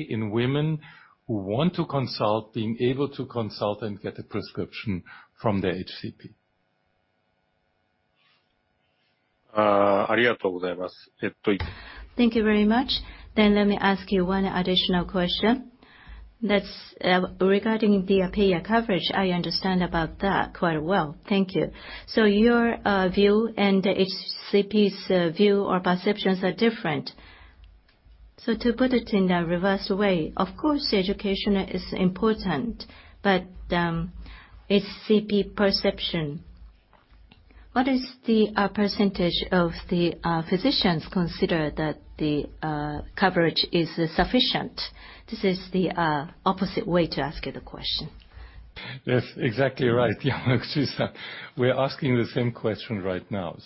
Speaker 4: in women who want to consult, being able to consult and get a prescription from their HCP.
Speaker 3: Thank you very much. Then let me ask you one additional question. That's regarding the payer coverage; I understand about that quite well. Thank you. So your view and the HCP's view or perceptions are different. So to put it in a reverse way, of course, education is important, but HCP perception—what is the percentage of the physicians consider that the coverage is sufficient? This is the opposite way to ask you the question.
Speaker 4: That's exactly right, Yamaguchi-san. We're asking the same question right now.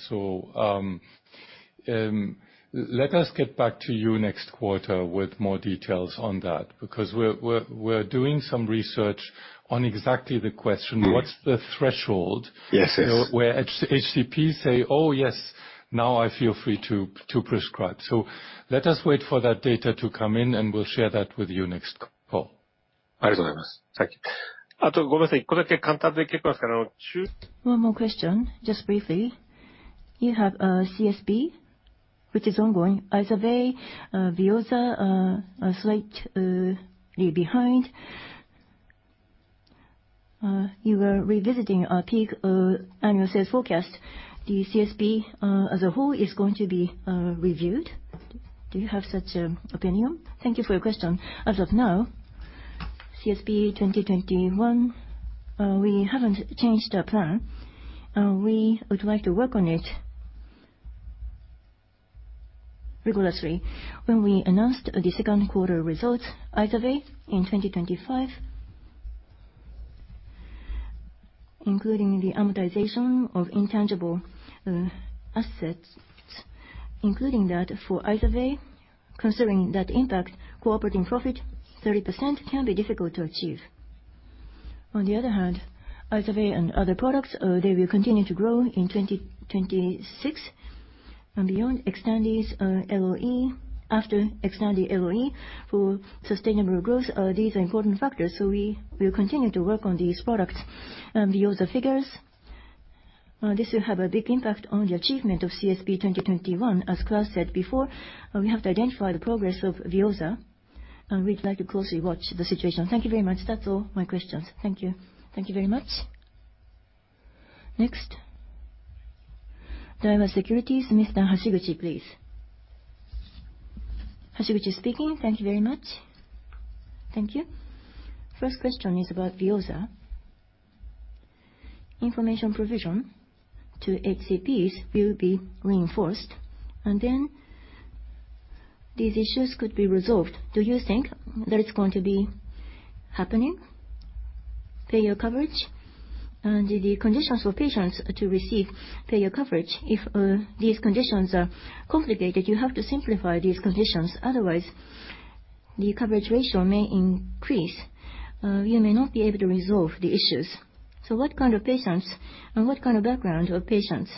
Speaker 4: Let us get back to you next quarter with more details on that, because we're doing some research on exactly the question- What's the threshold?
Speaker 3: Yes, yes.
Speaker 4: where HCP say, "Oh, yes, now I feel free to, to prescribe." So let us wait for that data to come in, and we'll share that with you next call.
Speaker 1: Thank you. One more question, just briefly. You have CSP, which is ongoing. As of late, VEOZAH, slightly behind. You were revisiting our peak annual sales forecast. The CSP as a whole is going to be reviewed? ...Do you have such, opinion?
Speaker 2: Thank you for your question. As of now, CSP2021, we haven't changed the plan. We would like to work on it rigorously. When we announced the second quarter results, IZERVAY in 2025, including the amortization of intangible assets, including that for IZERVAY, considering that impact, core operating profit 30% can be difficult to achieve. On the other hand, IZERVAY and other products, they will continue to grow in 2026 and beyond XTANDI's LOE. After XTANDI LOE, for sustainable growth, these are important factors, so we will continue to work on these products. VEOZAH figures, this will have a big impact on the achievement of CSP2021. As Claus said before, we have to identify the progress of VEOZAH, and we'd like to closely watch the situation.
Speaker 3: Thank you very much. That's all my questions. Thank you.
Speaker 1: Thank you very much. Next, Daiwa Securities, Mr. Hashiguchi, please.
Speaker 5: Hashiguchi speaking. Thank you very much. Thank you. First question is about VEOZAH. Information provision to HCPs will be reinforced, and then these issues could be resolved. Do you think that it's going to be happening? Payer coverage and the conditions for patients to receive payer coverage, if these conditions are complicated, you have to simplify these conditions, otherwise the coverage ratio may increase. You may not be able to resolve the issues. So what kind of patients and what kind of background of patients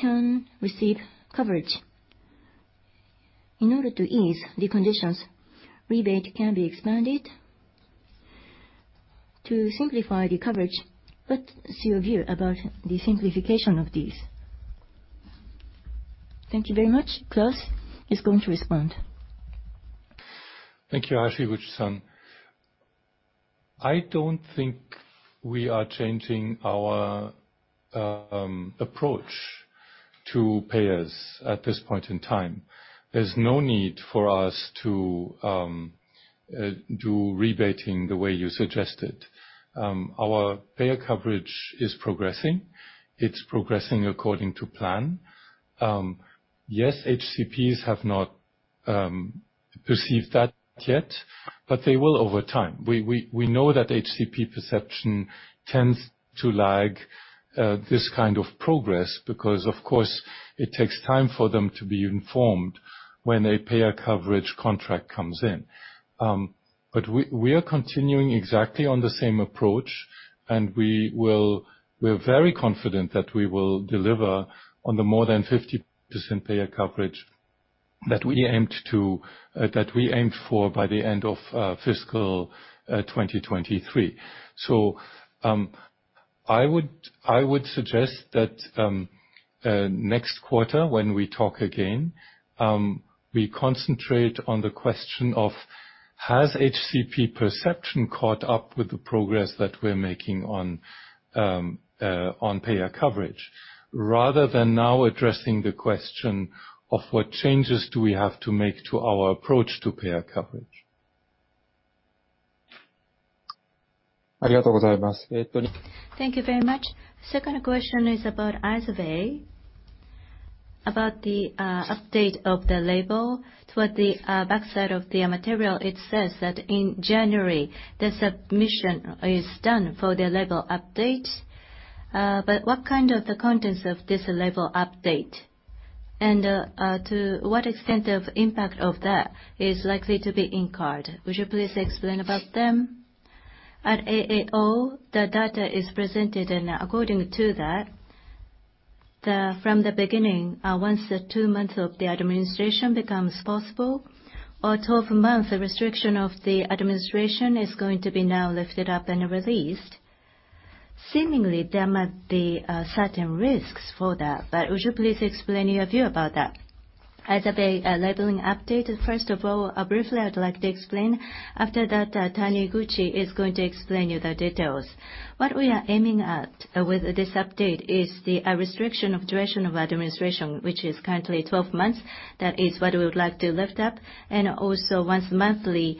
Speaker 5: can receive coverage? In order to ease the conditions, rebate can be expanded. To simplify the coverage, what's your view about the simplification of this?
Speaker 1: Thank you very much. Claus is going to respond.
Speaker 4: Thank you, Hashiguchi-san. I don't think we are changing our approach to payers at this point in time. There's no need for us to do rebating the way you suggested. Our payer coverage is progressing. It's progressing according to plan. Yes, HCPs have not perceived that yet, but they will over time. We know that HCP perception tends to lag this kind of progress, because, of course, it takes time for them to be informed when a payer coverage contract comes in. But we are continuing exactly on the same approach, and we will, we're very confident that we will deliver on the more than 50% payer coverage that we aimed to, that we aimed for by the end of fiscal 2023. So, I would suggest that, next quarter, when we talk again, we concentrate on the question of: Has HCP perception caught up with the progress that we're making on payer coverage? Rather than now addressing the question of what changes do we have to make to our approach to payer coverage.
Speaker 5: Thank you very much. Thank you very much. Second question is about IZERVAY, about the update of the label. Toward the back side of the material, it says that in January, the submission is done for the label update. But what kind of the contents of this label update, and to what extent of impact of that is likely to be incurred? Would you please explain about them?
Speaker 1: At AAO, the data is presented, and according to that, from the beginning, once the 2 months of the administration becomes possible, or 12 months, the restriction of the administration is going to be now lifted up and released. Seemingly, there might be certain risks for that, but would you please explain your view about that? IZERVAY labeling update, first of all, briefly, I'd like to explain. After that, Taniguchi is going to explain you the details. What we are aiming at with this update is the restriction of duration of administration, which is currently 12 months. That is what we would like to lift up, and also once monthly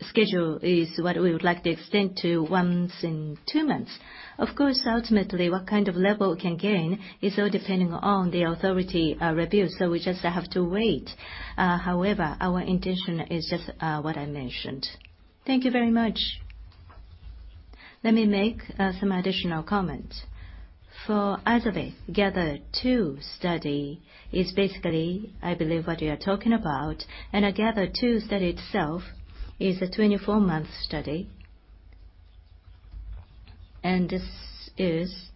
Speaker 1: schedule is what we would like to extend to once in 2 months. Of course, ultimately, what kind of level we can gain is all depending on the authority review, so we just have to wait. However, our intention is just what I mentioned.
Speaker 5: Thank you very much.
Speaker 1: Let me make some additional comments. For IZERVAY, GATHER2 study is basically, I believe, what you are talking about. And a GATHER2 study itself is a 24-month study. And this is,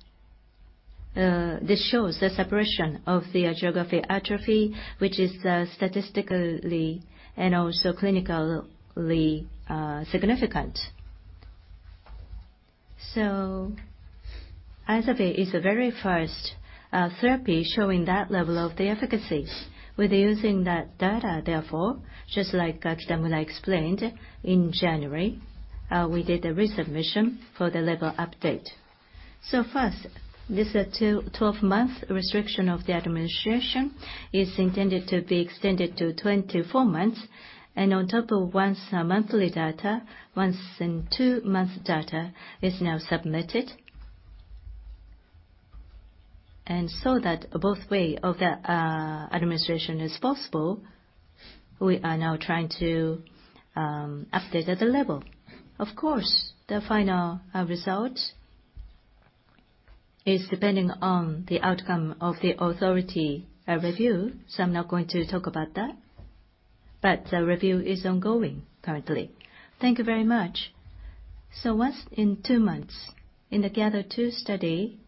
Speaker 1: this shows the separation of the geographic atrophy, which is, statistically and also clinically, significant. So IZERVAY is the very first, therapy showing that level of the efficacies. With using that data, therefore, just like Kitamura explained, in January, we did a resubmission for the label update. So first, this, two, 12-month restriction of the administration is intended to be extended to 24 months, and on top of once a monthly data, once in two months data is now submitted. And so that both way of the, administration is possible, we are now trying to update at the level. Of course, the final result is depending on the outcome of the authority review, so I'm not going to talk about that, but the review is ongoing currently. Thank you very much. So once in two months, in the GATHER2 study.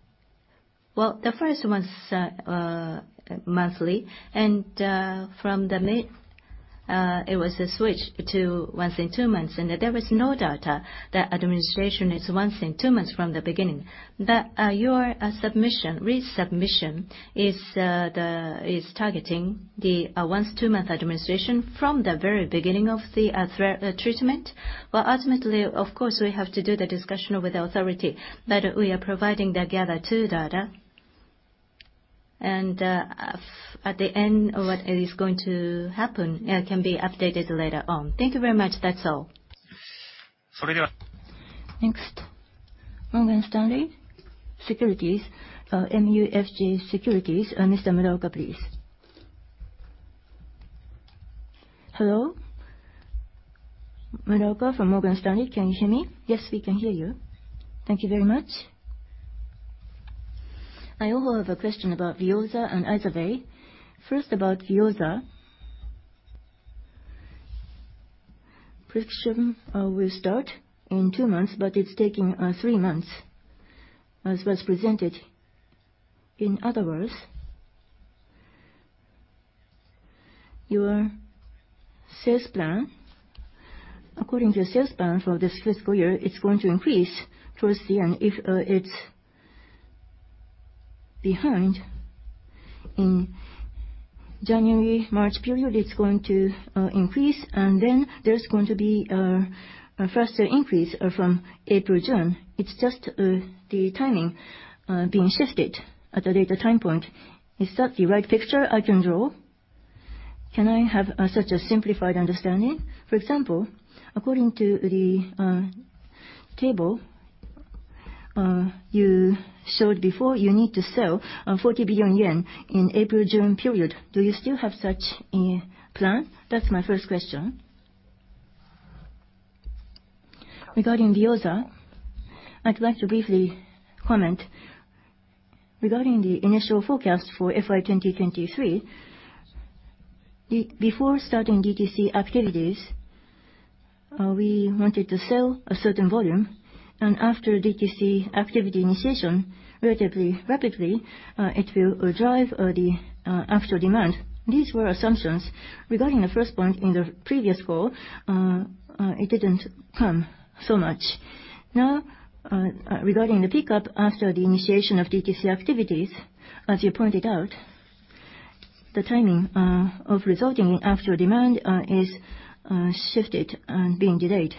Speaker 1: Well, the first one's monthly, and from the mid, it was switched to once in two months, and there was no data that administration is once in two months from the beginning. But your submission, resubmission, is targeting the once two-month administration from the very beginning of the treatment. Well, ultimately, of course, we have to do the discussion with the authority, but we are providing the GATHER2 data. And at the end of what is going to happen can be updated later on. Thank you very much. That's all.
Speaker 6: Next, Morgan Stanley MUFG Securities, Mr. Muraoka, please.
Speaker 7: Hello? Muraoka from Morgan Stanley. Can you hear me?
Speaker 1: Yes, we can hear you.
Speaker 7: Thank you very much. I also have a question about VEOZAH and IZERVAY. First, about VEOZAH. Prescription will start in two months, but it's taking three months, as was presented. In other words, your sales plan, according to your sales plan for this fiscal year, it's going to increase towards the end. If it's behind in January-March period, it's going to increase, and then there's going to be a faster increase from April-June. It's just the timing being shifted at a later time point. Is that the right picture I can draw? Can I have such a simplified understanding? For example, according to the table you showed before, you need to sell 40 billion yen in April-June period. Do you still have such a plan? That's my first question.
Speaker 1: Regarding VEOZAH, I'd like to briefly comment. Regarding the initial forecast for FY 2023, before starting DTC activities, we wanted to sell a certain volume, and after DTC activity initiation, relatively rapidly, it will drive the actual demand. These were assumptions. Regarding the first point in the previous call, it didn't come so much. Now, regarding the pickup after the initiation of DTC activities, as you pointed out, the timing of resulting in actual demand is shifted and being delayed.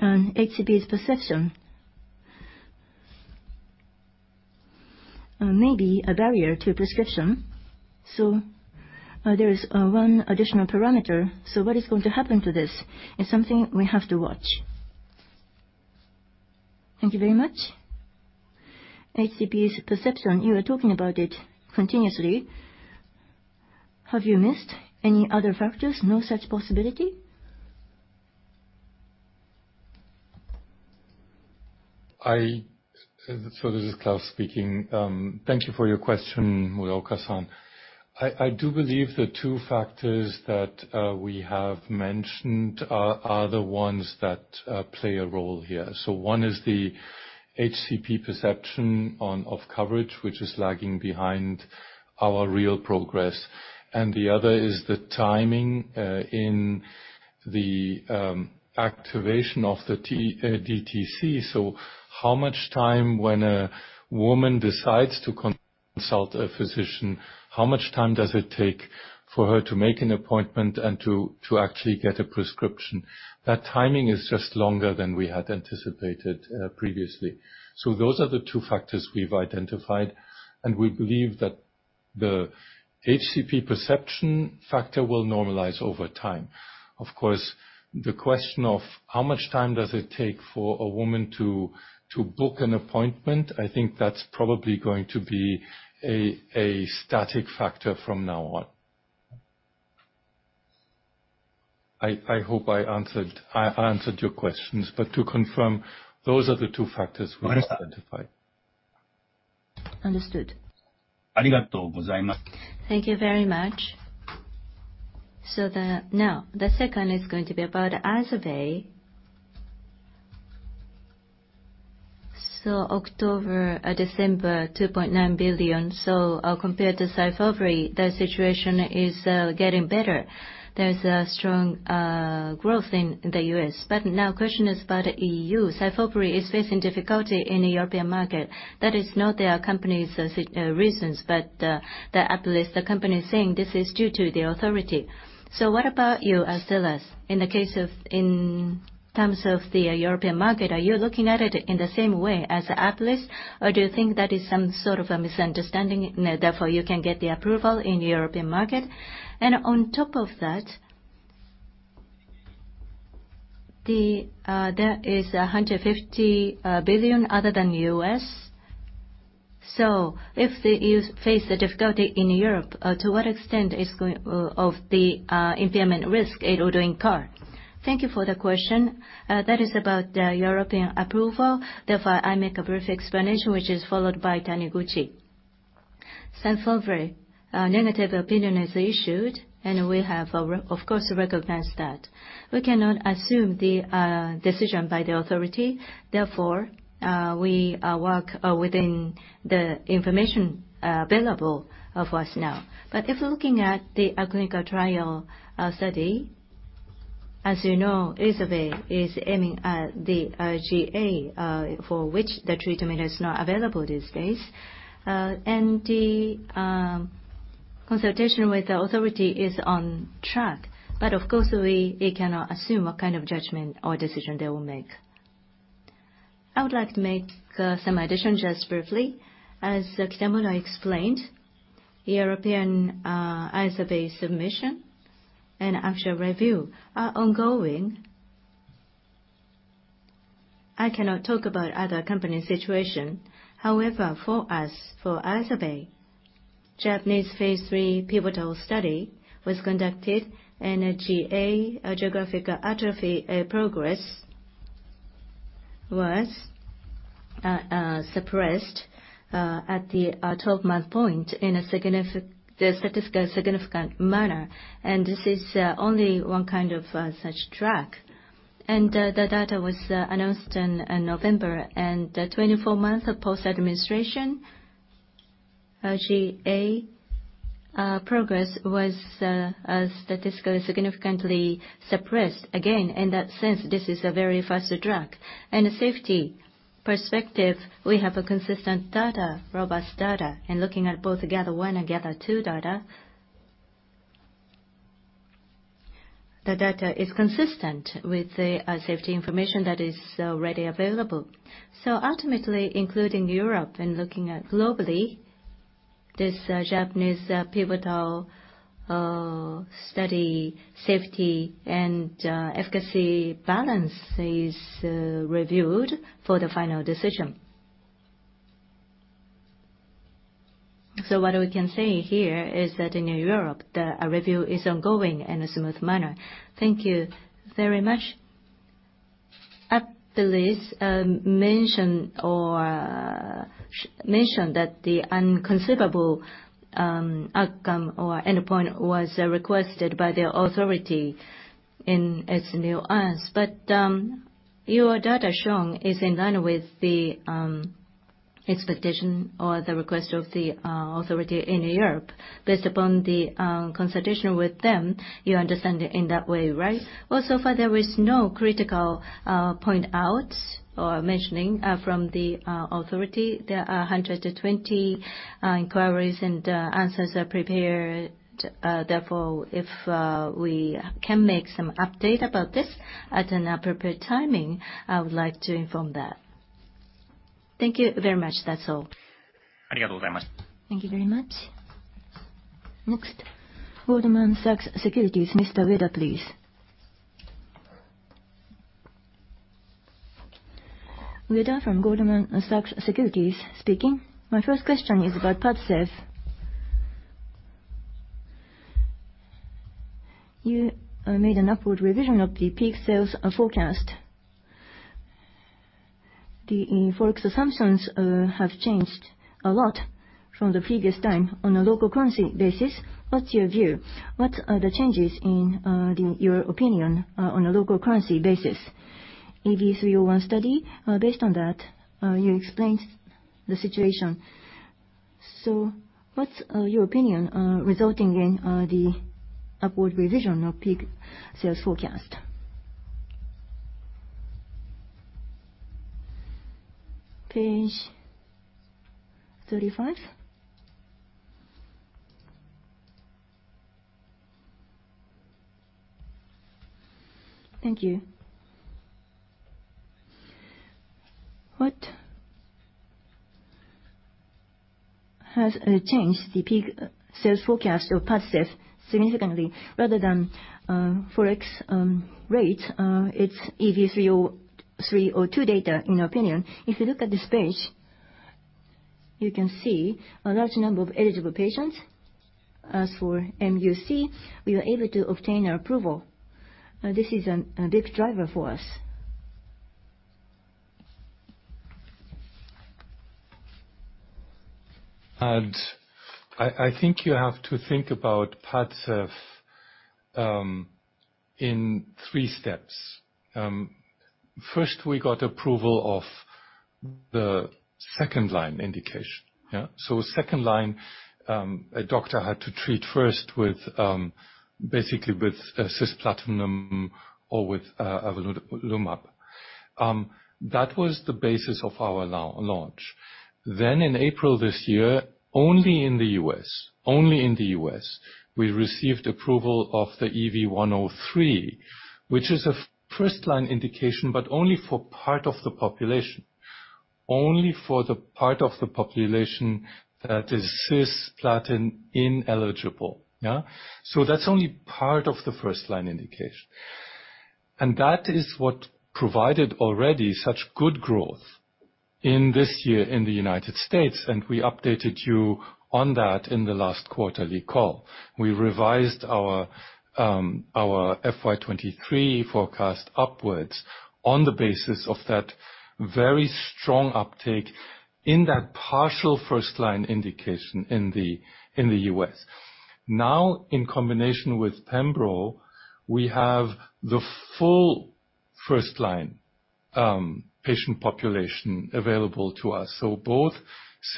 Speaker 1: And HCP's perception may be a barrier to prescription, so there is one additional parameter. So what is going to happen to this is something we have to watch.
Speaker 7: Thank you very much. HCP's perception, you are talking about it continuously. Have you missed any other factors? No such possibility?
Speaker 4: So this is Claus speaking. Thank you for your question, Muraoka-san. I do believe the two factors that we have mentioned are the ones that play a role here. So one is the HCP perception on, of coverage, which is lagging behind our real progress, and the other is the timing in the activation of the DTC. So how much time when a woman decides to consult a physician, how much time does it take for her to make an appointment and to actually get a prescription? That timing is just longer than we had anticipated previously. So those are the two factors we've identified, and we believe that the HCP perception factor will normalize over time. Of course, the question of how much time does it take for a woman to book an appointment, I think that's probably going to be a static factor from now on. I hope I answered your questions, but to confirm, those are the two factors we have identified.
Speaker 7: Understood. Thank you very much. So, now, the second is going to be about IZERVAY. So October, December, 2.9 billion, so, compared to SYFOVRE, the situation is, getting better. There's a strong, growth in the US. But now question is about EU. SYFOVRE is facing difficulty in the European market. That is not their company's, reasons, but, the Apellis, the company is saying this is due to the authority. So what about you, Claus? In the case of, in terms of the, European market, are you looking at it in the same way as Apellis, or do you think that is some sort of a misunderstanding, therefore, you can get the approval in the European market? And on top of that...... the, there is 150 billion other than US. So if you face a difficulty in Europe, to what extent is going, of the, impairment risk it will incur?
Speaker 1: Thank you for the question. That is about the European approval, therefore, I make a brief explanation, which is followed by Taniguchi. Since February, a negative opinion is issued, and we have, of course, recognized that. We cannot assume the, decision by the authority, therefore, we, work, within the information, available of us now. But if we're looking at the, clinical trial, study, as you know, IZERVAY is aiming at the, GA, for which the treatment is not available these days. And the, consultation with the authority is on track. But of course, we, we cannot assume what kind of judgment or decision they will make. I would like to make some addition just briefly. As Kitamura explained, European IZERVAY submission and actual review are ongoing. I cannot talk about other company's situation. However, for us, for IZERVAY, Japanese phase 3 pivotal study was conducted, and a GA, geographic atrophy, progress was suppressed at the 12-month point in a statistically significant manner, and this is only one kind of such track. And the data was announced in, in November, and 24 months post-administration, GA progress was statistically significantly suppressed. Again, in that sense, this is a very fast drug. In a safety perspective, we have a consistent data, robust data, and looking at both GATHER1 and GATHER2 data, the data is consistent with the safety information that is already available. So ultimately, including Europe and looking at globally, this Japanese pivotal study, safety, and efficacy balance is reviewed for the final decision. So what we can say here is that in Europe, the review is ongoing in a smooth manner. Thank you very much. At least mention that the inconceivable outcome or endpoint was requested by the authority as a new ask. But your data shown is in line with the expectation or the request of the authority in Europe. Based upon the consultation with them, you understand it in that way, right? Well, so far there is no critical point out or mentioning from the authority. There are 120 inquiries, and answers are prepared. Therefore, if we can make some update about this at an appropriate timing, I would like to inform that. Thank you very much. That's all.
Speaker 4: Thank you very much.
Speaker 8: Thank you very much. Next, Goldman Sachs Securities, Mr. Ueda, please. My first question is about PADCEV. You made an upward revision of the peak sales forecast. The Forex assumptions have changed a lot from the previous time on a local currency basis. What's your view? What are the changes in your opinion on a local currency basis? EV-302 study based on that you explained the situation. So what's your opinion resulting in the upward revision of peak sales forecast?
Speaker 1: Page thirty-five.
Speaker 2: Thank you.
Speaker 1: What has changed the peak sales forecast of PADCEV significantly, rather than Forex rates, it's EV-302 data, in our opinion. If you look at this page, you can see a large number of eligible patients. As for NMIBC, we were able to obtain approval, this is a big driver for us.
Speaker 4: I think you have to think about PADCEV in three steps. First, we got approval of the second-line indication, yeah? So second line, a doctor had to treat first with basically with cisplatin or with avelumab. That was the basis of our launch. Then in April this year, only in the U.S., only in the U.S., we received approval of the EV-103, which is a first-line indication, but only for part of the population... only for the part of the population that is cisplatin ineligible, yeah? So that's only part of the first line indication. And that is what provided already such good growth in this year in the United States, and we updated you on that in the last quarterly call. We revised our FY 2023 forecast upwards on the basis of that very strong uptake in that partial first-line indication in the US. Now, in combination with pembro, we have the full first-line patient population available to us. So both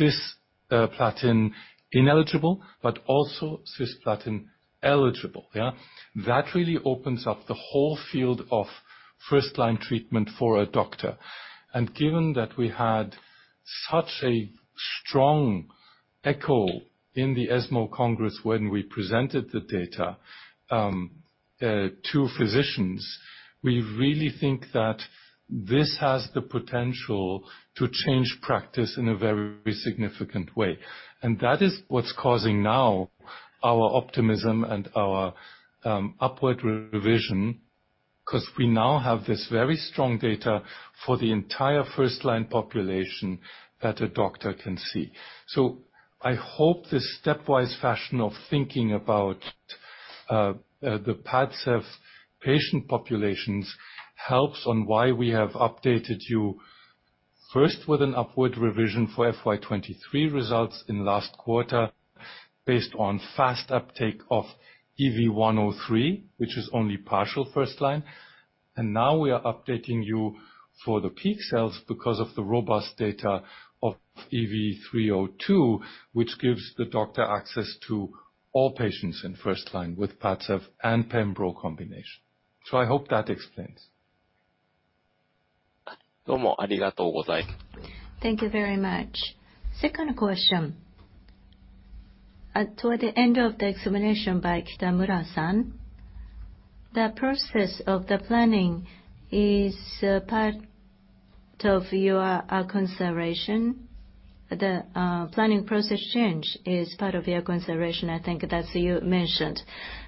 Speaker 4: cisplatin ineligible, but also cisplatin eligible, yeah? That really opens up the whole field of first-line treatment for a doctor. And given that we had such a strong echo in the ESMO Congress when we presented the data to physicians, we really think that this has the potential to change practice in a very significant way. And that is what's causing now our optimism and our upward revision, 'cause we now have this very strong data for the entire first-line population that a doctor can see. So I hope this stepwise fashion of thinking about the PADCEV patient populations helps on why we have updated you first with an upward revision for FY 2023 results in last quarter, based on fast uptake of EV-103, which is only partial first line. And now we are updating you for the peak sales because of the robust data of EV-302, which gives the doctor access to all patients in first line with PADCEV and pembro combination. So I hope that explains. Thank you very much. Second question. Toward the end of the examination by Kitamura-san, the process of the planning is part of your consideration. The planning process change is part of your consideration, I think that's you mentioned.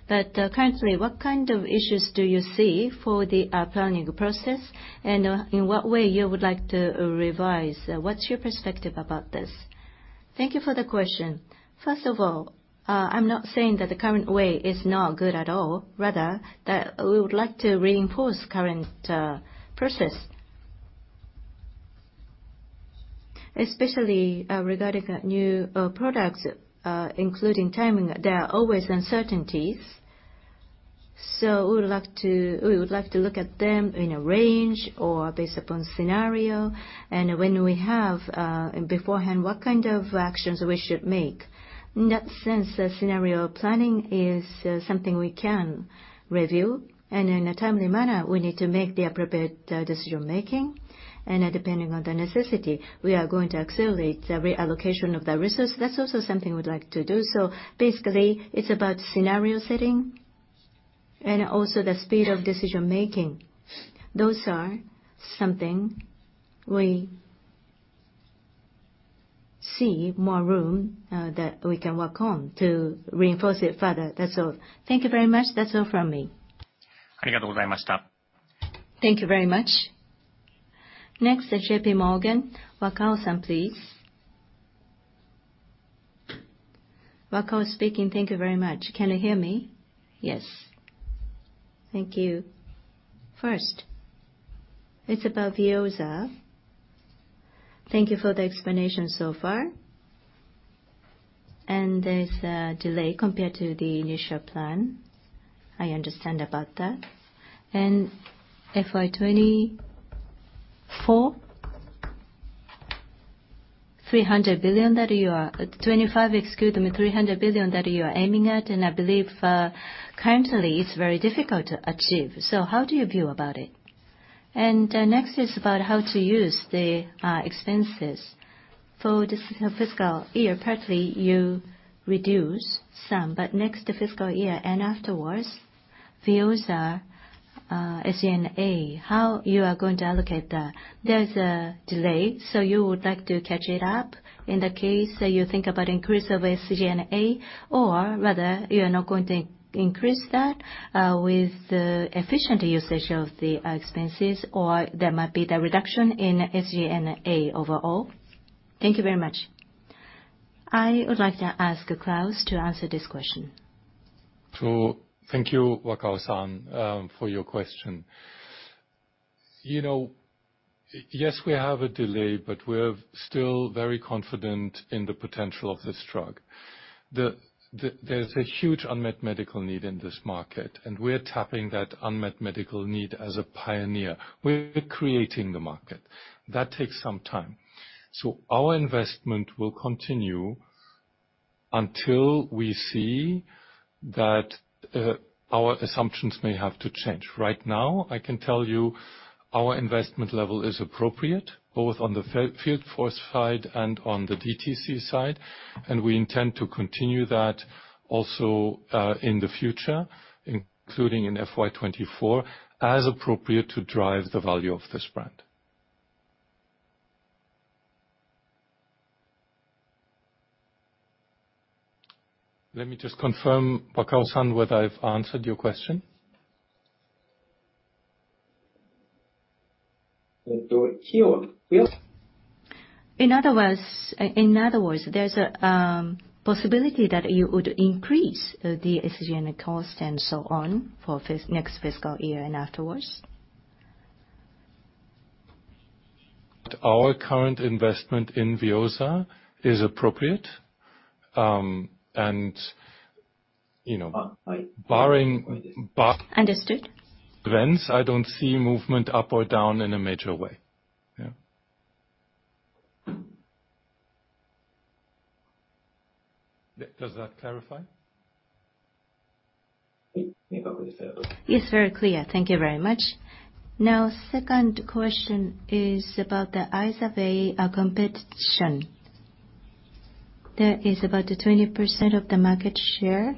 Speaker 4: But currently, what kind of issues do you see for the planning process? And in what way you would like to revise? What's your perspective about this?
Speaker 1: Thank you for the question. First of all, I'm not saying that the current way is not good at all, rather, that we would like to reinforce current process. Especially, regarding the new products, including timing, there are always uncertainties. So we would like to—we would like to look at them in a range or based upon scenario, and when we have, beforehand, what kind of actions we should make. In that sense, the scenario planning is something we can review, and in a timely manner, we need to make the appropriate decision-making. And depending on the necessity, we are going to accelerate the reallocation of the resource. That's also something we'd like to do. So basically, it's about scenario setting and also the speed of decision-making. Those are something we see more room that we can work on to reinforce it further. That's all. Thank you very much. That's all from me. Thank you very much. Next is JP Morgan. Wakao-san, please. Wakao speaking. Thank you very much. Can you hear me? Yes. Thank you. First, it's about VEOZAH. Thank you for the explanation so far. And there's a delay compared to the initial plan. I understand about that. And FY 2024, 300 billion that you are... 25, excuse me, 300 billion that you are aiming at, and I believe, currently it's very difficult to achieve. So how do you view about it? And, next is about how to use the expenses. For this fiscal year, partly you reduce some, but next fiscal year and afterwards, VEOZAH, SG&A, how you are going to allocate that? There's a delay, so you would like to catch it up. In that case, you think about increase of SG&A, or whether you are not going to increase that, with the efficient usage of the expenses, or there might be the reduction in SG&A overall? Thank you very much. I would like to ask Claus to answer this question.
Speaker 4: So thank you, Wakao-san, for your question. You know, yes, we have a delay, but we're still very confident in the potential of this drug. There's a huge unmet medical need in this market, and we're tapping that unmet medical need as a pioneer. We're creating the market. That takes some time. So our investment will continue until we see that our assumptions may have to change. Right now, I can tell you our investment level is appropriate, both on the field force side and on the DTC side, and we intend to continue that also in the future, including in FY 2024, as appropriate, to drive the value of this brand. Let me just confirm, Wakao-san, whether I've answered your question?
Speaker 3: Do it here, yes.
Speaker 1: In other words, there's a possibility that you would increase the SG&A cost and so on, for next fiscal year and afterwards?
Speaker 4: Our current investment in VEOZAH is appropriate. You know, barring, bar-
Speaker 1: Understood.
Speaker 4: Plans, I don't see movement up or down in a major way. Yeah. Does that clarify?
Speaker 3: Maybe say it again.
Speaker 1: Yes, very clear. Thank you very much. Now, second question is about the IZERVAY, competition. There is about 20% of the market share,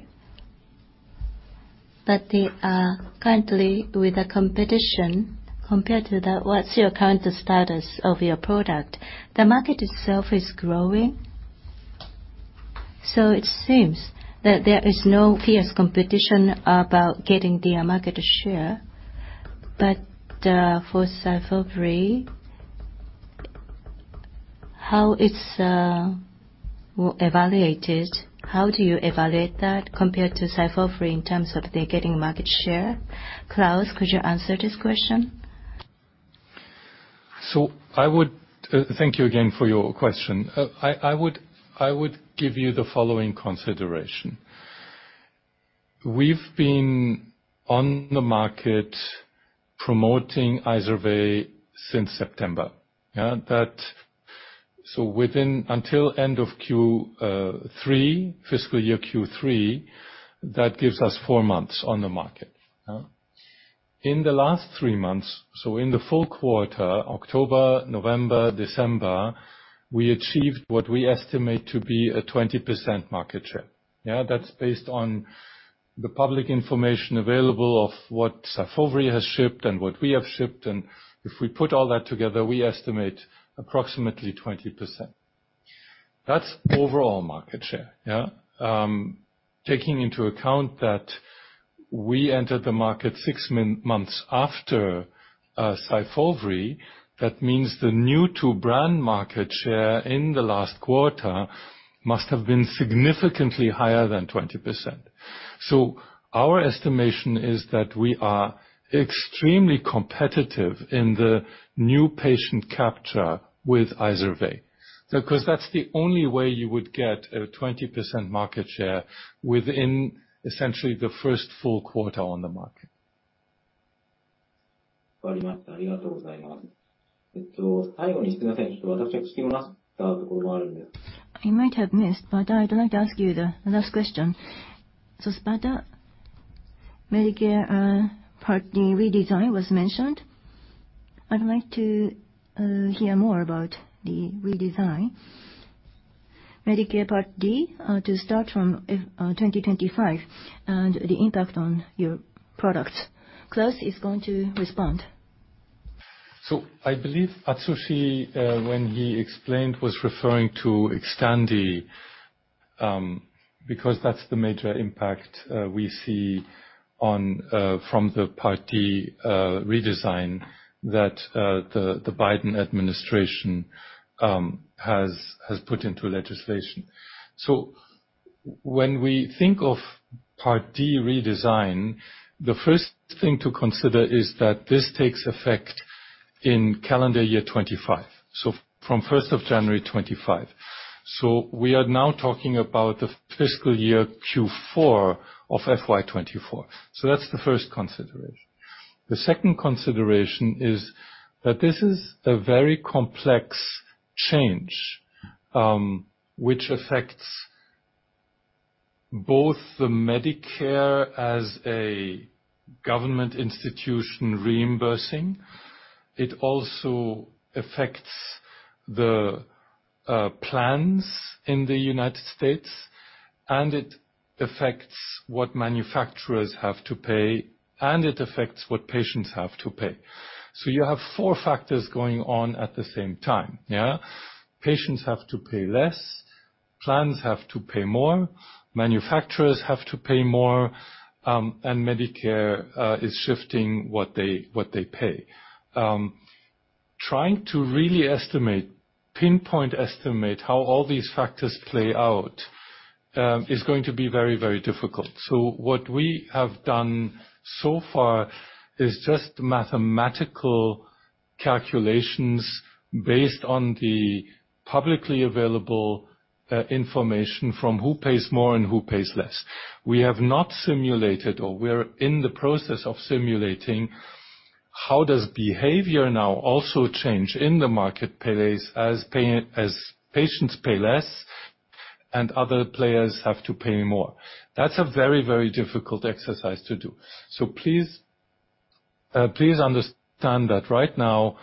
Speaker 1: but they are currently with the competition. Compared to that, what's your current status of your product? The market itself is growing, so it seems that there is no fierce competition about getting their market share. But, for SYFOVRE, how it's evaluated, how do you evaluate that compared to SYFOVRE in terms of they getting market share? Claus, could you answer this question?
Speaker 4: So I would thank you again for your question. I would give you the following consideration. We've been on the market promoting IZERVAY since September. So within until end of Q3, fiscal year Q3, that gives us four months on the market? In the last three months, so in the full quarter, October, November, December, we achieved what we estimate to be a 20% market share. That's based on the public information available of what SYFOVRE has shipped and what we have shipped, and if we put all that together, we estimate approximately 20%. That's overall market share? Taking into account that we entered the market six months after SYFOVRE, that means the new two brand market share in the last quarter must have been significantly higher than 20%. So our estimation is that we are extremely competitive in the new patient capture with IZERVAY, because that's the only way you would get a 20% market share within essentially the first full quarter on the market.
Speaker 1: I might have missed, but I'd like to ask you the last question. So XOSPATA, Medicare Part D redesign was mentioned. I'd like to hear more about the redesign. Medicare Part D to start from 2025, and the impact on your products. Claus is going to respond.
Speaker 4: So I believe Atsushi, when he explained, was referring to XTANDI, because that's the major impact we see on, from the Part D redesign, that the Biden administration has put into legislation. So when we think of Part D redesign, the first thing to consider is that this takes effect in calendar year 25, so from first of January 2025. So we are now talking about the fiscal year Q4 of FY 2024. So that's the first consideration. The second consideration is that this is a very complex change, which affects both the Medicare as a government institution, reimbursing. It also affects the plans in the United States, and it affects what manufacturers have to pay, and it affects what patients have to pay. So you have four factors going on at the same time, yeah? Patients have to pay less, plans have to pay more, manufacturers have to pay more, and Medicare is shifting what they, what they pay. Trying to really estimate, pinpoint estimate, how all these factors play out, is going to be very, very difficult. So what we have done so far is just mathematical calculations based on the publicly available information from who pays more and who pays less. We have not simulated, or we're in the process of simulating, how does behavior now also change in the marketplace as patients pay less and other players have to pay more? That's a very, very difficult exercise to do. Please, please understand that right now,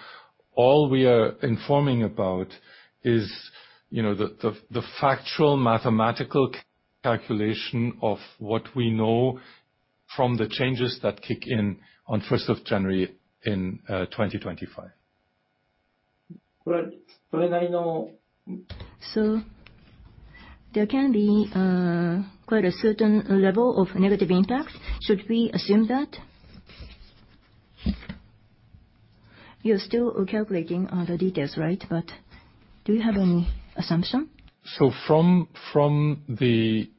Speaker 4: all we are informing about is, you know, the factual mathematical calculation of what we know from the changes that kick in on first of January in 2025....
Speaker 1: So there can be quite a certain level of negative impact. Should we assume that? You're still calculating all the details, right? But do you have any assumption?
Speaker 4: So from the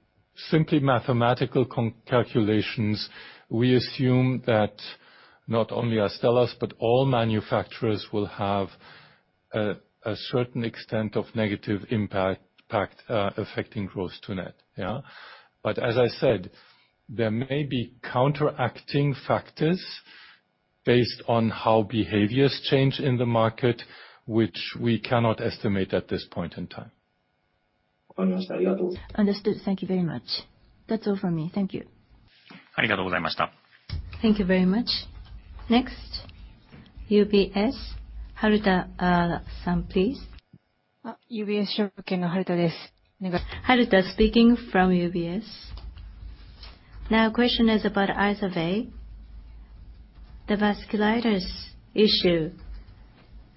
Speaker 4: simply mathematical calculations, we assume that not only Astellas, but all manufacturers will have a certain extent of negative impact affecting gross-to-net, yeah? But as I said, there may be counteracting factors based on how behaviors change in the market, which we cannot estimate at this point in time.
Speaker 1: Understood. Thank you very much. That's all for me. Thank you. Thank you very much. Next, UBS, Haruta-san, please. Haruta speaking from UBS. Now, question is about IZERVAY, the vasculitis issue.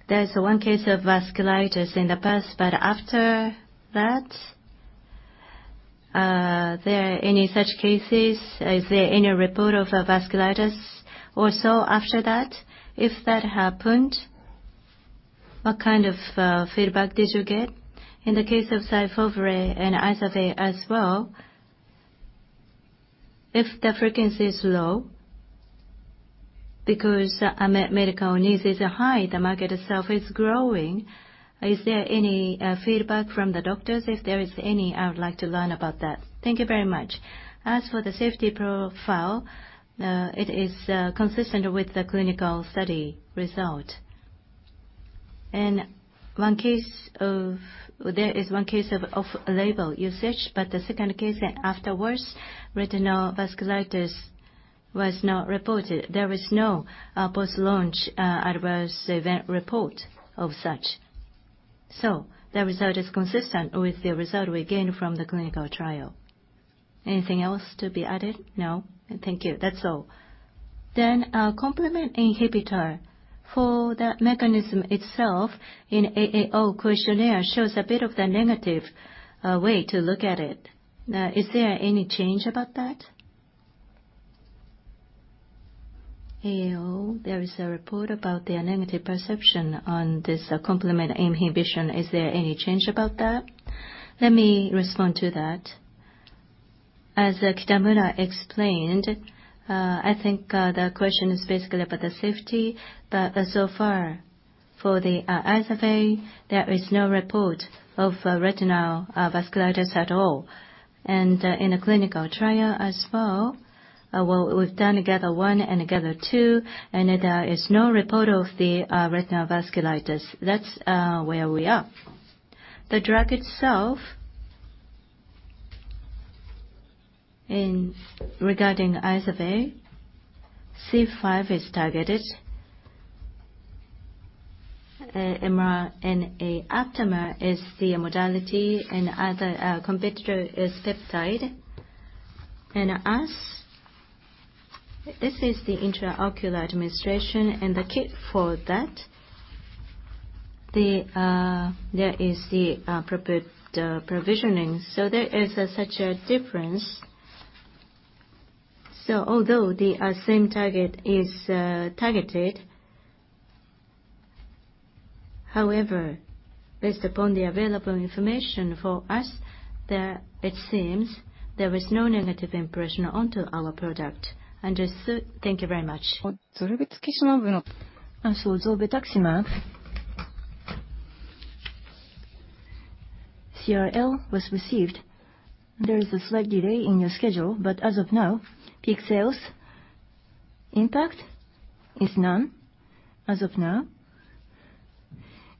Speaker 1: There's one case of vasculitis in the past, but after that, there any such cases? Is there any report of vasculitis or so after that? If that happened, what kind of feedback did you get? In the case of SYFOVRE and IZERVAY as well, if the frequency is low because medical needs is high, the market itself is growing. Is there any feedback from the doctors? If there is any, I would like to learn about that. Thank you very much. As for the safety profile, it is consistent with the clinical study result. And one case of There is one case of off-label usage, but the second case afterwards, retinal vasculitis was not reported. There was no post-launch adverse event report of such. So the result is consistent with the result we gained from the clinical trial. Anything else to be added? No. Thank you. That's all. Then complement inhibitor. For the mechanism itself in AAO questionnaire shows a bit of the negative way to look at it. Is there any change about that? AAO, there is a report about the negative perception on this complement inhibition. Is there any change about that? Let me respond to that. As Kitamura explained, I think the question is basically about the safety. But so far, for the IZERVAY, there is no report of retinal vasculitis at all. In a clinical trial as well, well, we've done GATHER1 and GATHER2, and there is no report of the retinal vasculitis. That's where we are. The drug itself, in regarding IZERVAY, C5 is targeted. RNA aptamer is the modality, and other competitor is peptide. And us, this is the intraocular administration and the kit for that. There is the prep and provisioning. So there is such a difference. So although the same target is targeted, however, based upon the available information for us, it seems there is no negative impression onto our product. Understood. Thank you very much. And so zolbetuximab, CRL was received. There is a slight delay in your schedule, but as of now, peak sales impact is none, as of now.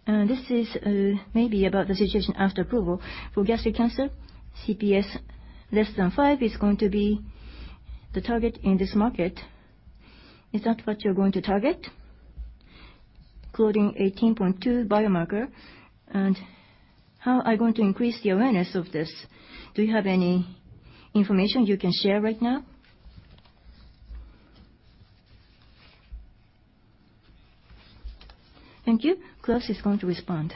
Speaker 1: This is, maybe about the situation after approval. For gastric cancer, CPS less than 5 is going to be the target in this market. Is that what you're going to target? Claudin 18.2 biomarker, and how are you going to increase the awareness of this? Do you have any information you can share right now? Thank you. Claus is going to respond.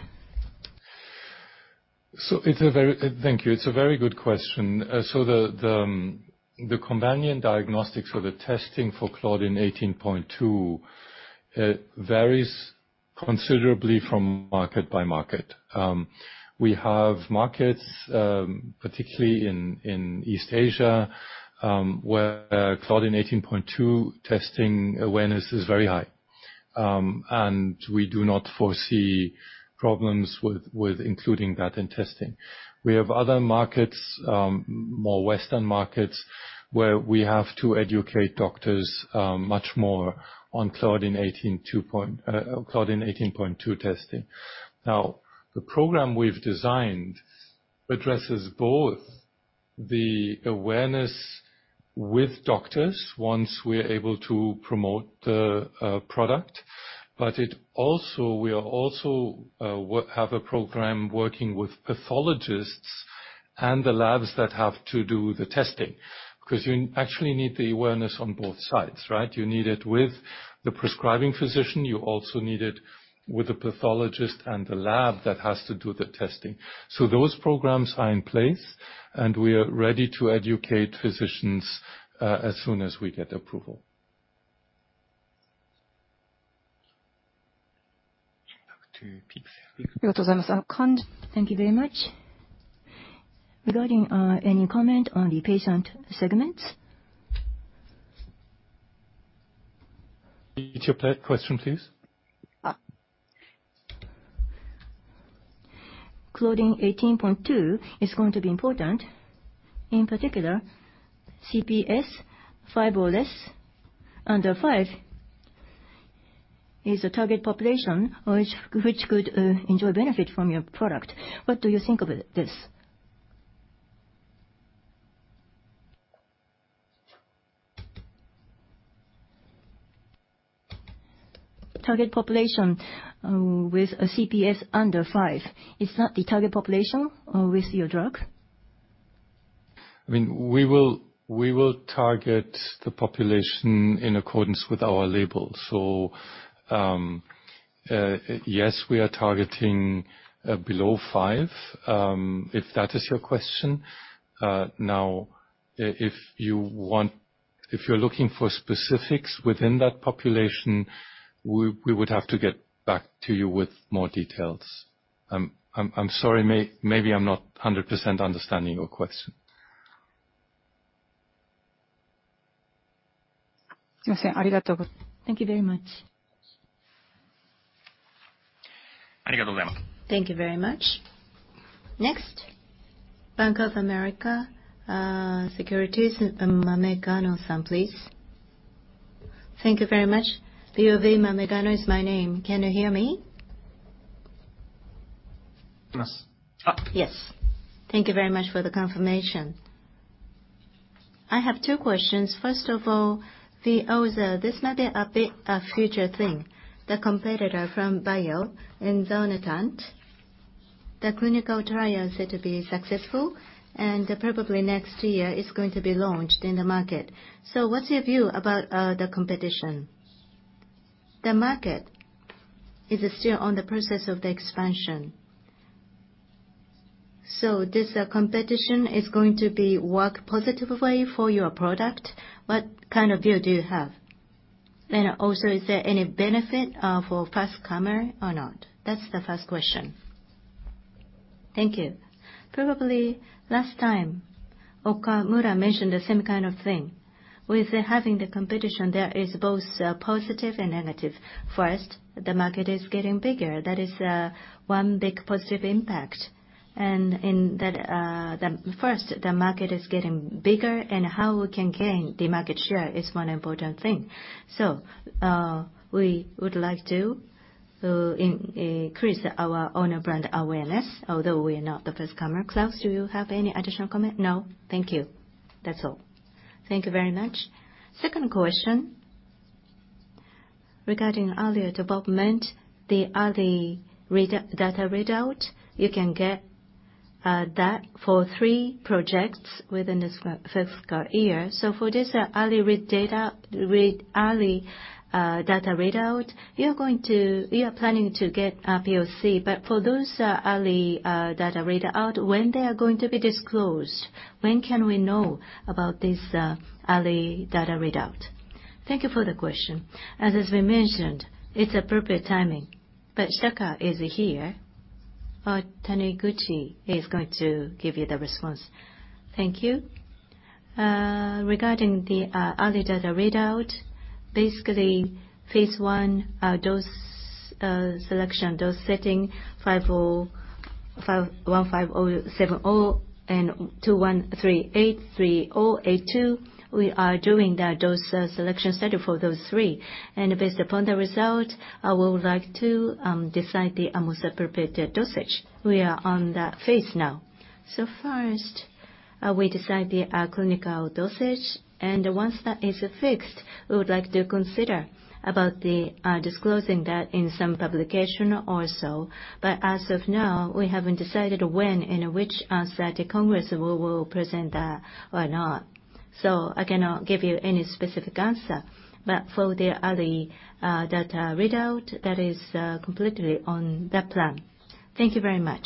Speaker 4: Thank you. It's a very good question. So the companion diagnostics for the testing for claudin 18.2 varies considerably from market by market. We have markets, particularly in East Asia, where claudin 18.2 testing awareness is very high. And we do not foresee problems with including that in testing. We have other markets, more Western markets, where we have to educate doctors much more on claudin 18.2 testing. Now, the program we've designed addresses both the awareness with doctors once we're able to promote the product, but it also—we also have a program working with pathologists and the labs that have to do the testing. 'Cause you actually need the awareness on both sides, right? You need it with the prescribing physician, you also need it with the pathologist and the lab that has to do the testing. So those programs are in place, and we are ready to educate physicians, as soon as we get approval.
Speaker 2: Thank you very much. Regarding any comment on the patient segments?
Speaker 4: Repeat your question, please.
Speaker 2: Claudin 18.2 is going to be important. In particular, CPS 5 or less, under 5 is a target population which could enjoy benefit from your product. What do you think of it, this? Target population with a CPS under 5, is that the target population with your drug?
Speaker 4: I mean, we will, we will target the population in accordance with our label. So, yes, we are targeting below 5, if that is your question. Now, if you want, if you're looking for specifics within that population, we, we would have to get back to you with more details. I'm, I'm, I'm sorry, maybe I'm not 100% understanding your question.
Speaker 2: Thank you very much.
Speaker 3: Thank you very much.
Speaker 2: Next, Bank of America Securities, Mamegano-san, please.
Speaker 9: Thank you very much. BofA, Mamegano is my name. Can you hear me?
Speaker 4: Yes.
Speaker 1: Yes.
Speaker 9: Thank you very much for the confirmation. I have two questions. First of all, VEOZAH, this might be a big, a future thing. The competitor from Bayer and elinzanetant, the clinical trials said to be successful, and probably next year, it's going to be launched in the market. So what's your view about, the competition? The market is still on the process of the expansion. So this, competition is going to be work positively for your product. What kind of view do you have? And also, is there any benefit, for first comer or not? That's the first question.
Speaker 1: Thank you. Probably, last time, Okamura mentioned the same kind of thing. With having the competition, there is both, positive and negative. First, the market is getting bigger. That is, one big positive impact. And in that, the first, the market is getting bigger, and how we can gain the market share is one important thing. So, we would like to increase our own brand awareness, although we are not the first comer. Claus, do you have any additional comment? No? Thank you. That's all. Thank you very much. Second question, regarding earlier development, the early read data readout, you can get that for three projects within this fiscal year. So for this early read data, read early, data readout, you're going to... You are planning to get a POC. But for those, early, data read out, when they are going to be disclosed, when can we know about this, early data readout? Thank you for the question. As we mentioned, it's appropriate timing, but Shitaka is here, Taniguchi is going to give you the response. Thank you. Regarding the early data readout, basically, phase 1 dose selection dose setting, ASP1570, ASP2138, and ASP3082. We are doing the dose selection study for those three. And based upon the result, I would like to decide the most appropriate dosage. We are on that phase now. So first, we decide the clinical dosage, and once that is fixed, we would like to consider about the disclosing that in some publication also. But as of now, we haven't decided when and which scientific congress we will present that or not. So I cannot give you any specific answer. But for the early data readout, that is completely on the plan. Thank you very much.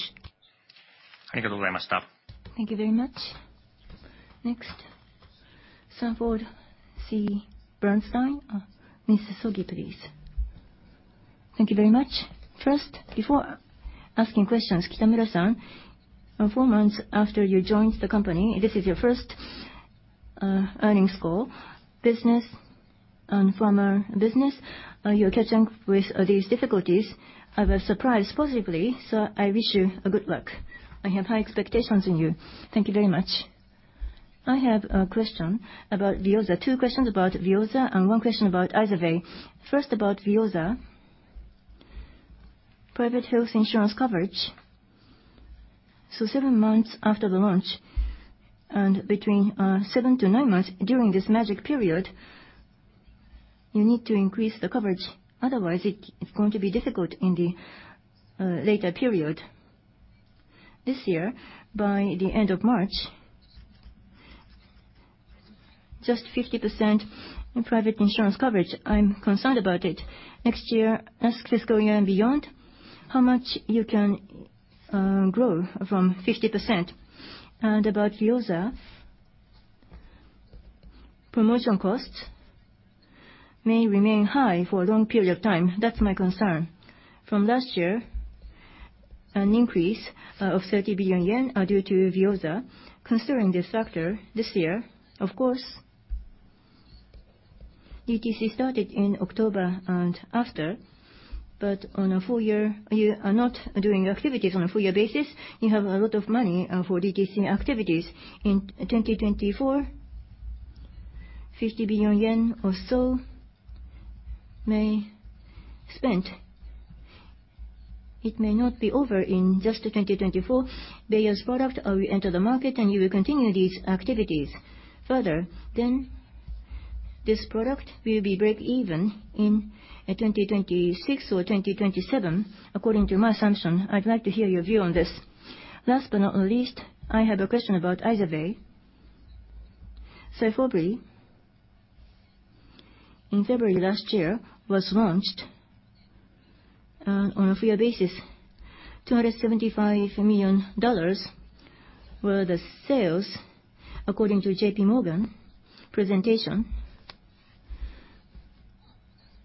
Speaker 4: Thank you very much, stop.
Speaker 3: Thank you very much. Next, Sanford C. Bernstein. Ms. Sogi, please. Thank you very much. First, before asking questions, Kitamura-san, four months after you joined the company, this is your first earnings call. Business, and from a business, you're catching with these difficulties. I was surprised positively, so I wish you a good luck. I have high expectations in you. Thank you very much. I have a question about VEOZAH, two questions about VEOZAH and one question about IZERVAY. First, about VEOZAH, private health insurance coverage. So seven months after the launch, and between seven to nine months during this magic period—you need to increase the coverage, otherwise it's going to be difficult in the later period. This year, by the end of March, just 50% in private insurance coverage. I'm concerned about it. Next year, next fiscal year and beyond, how much you can grow from 50%? And about VEOZAH, promotion costs may remain high for a long period of time. That's my concern. From last year, an increase of 30 billion yen are due to VEOZAH. Considering this factor, this year, of course, DTC started in October and after, but on a full year, you are not doing activities on a full year basis. You have a lot of money for DTC activities. In 2024, 50 billion yen or so may spent. It may not be over in just the 2024. Bayer's product will enter the market, and you will continue these activities further, then this product will be breakeven in 2026 or 2027, according to my assumption. I'd like to hear your view on this. Last but not least, I have a question about IZERVAY. SYFOVRE, in February last year, was launched, on a full-year basis. $275 million were the sales, according to JP Morgan presentation.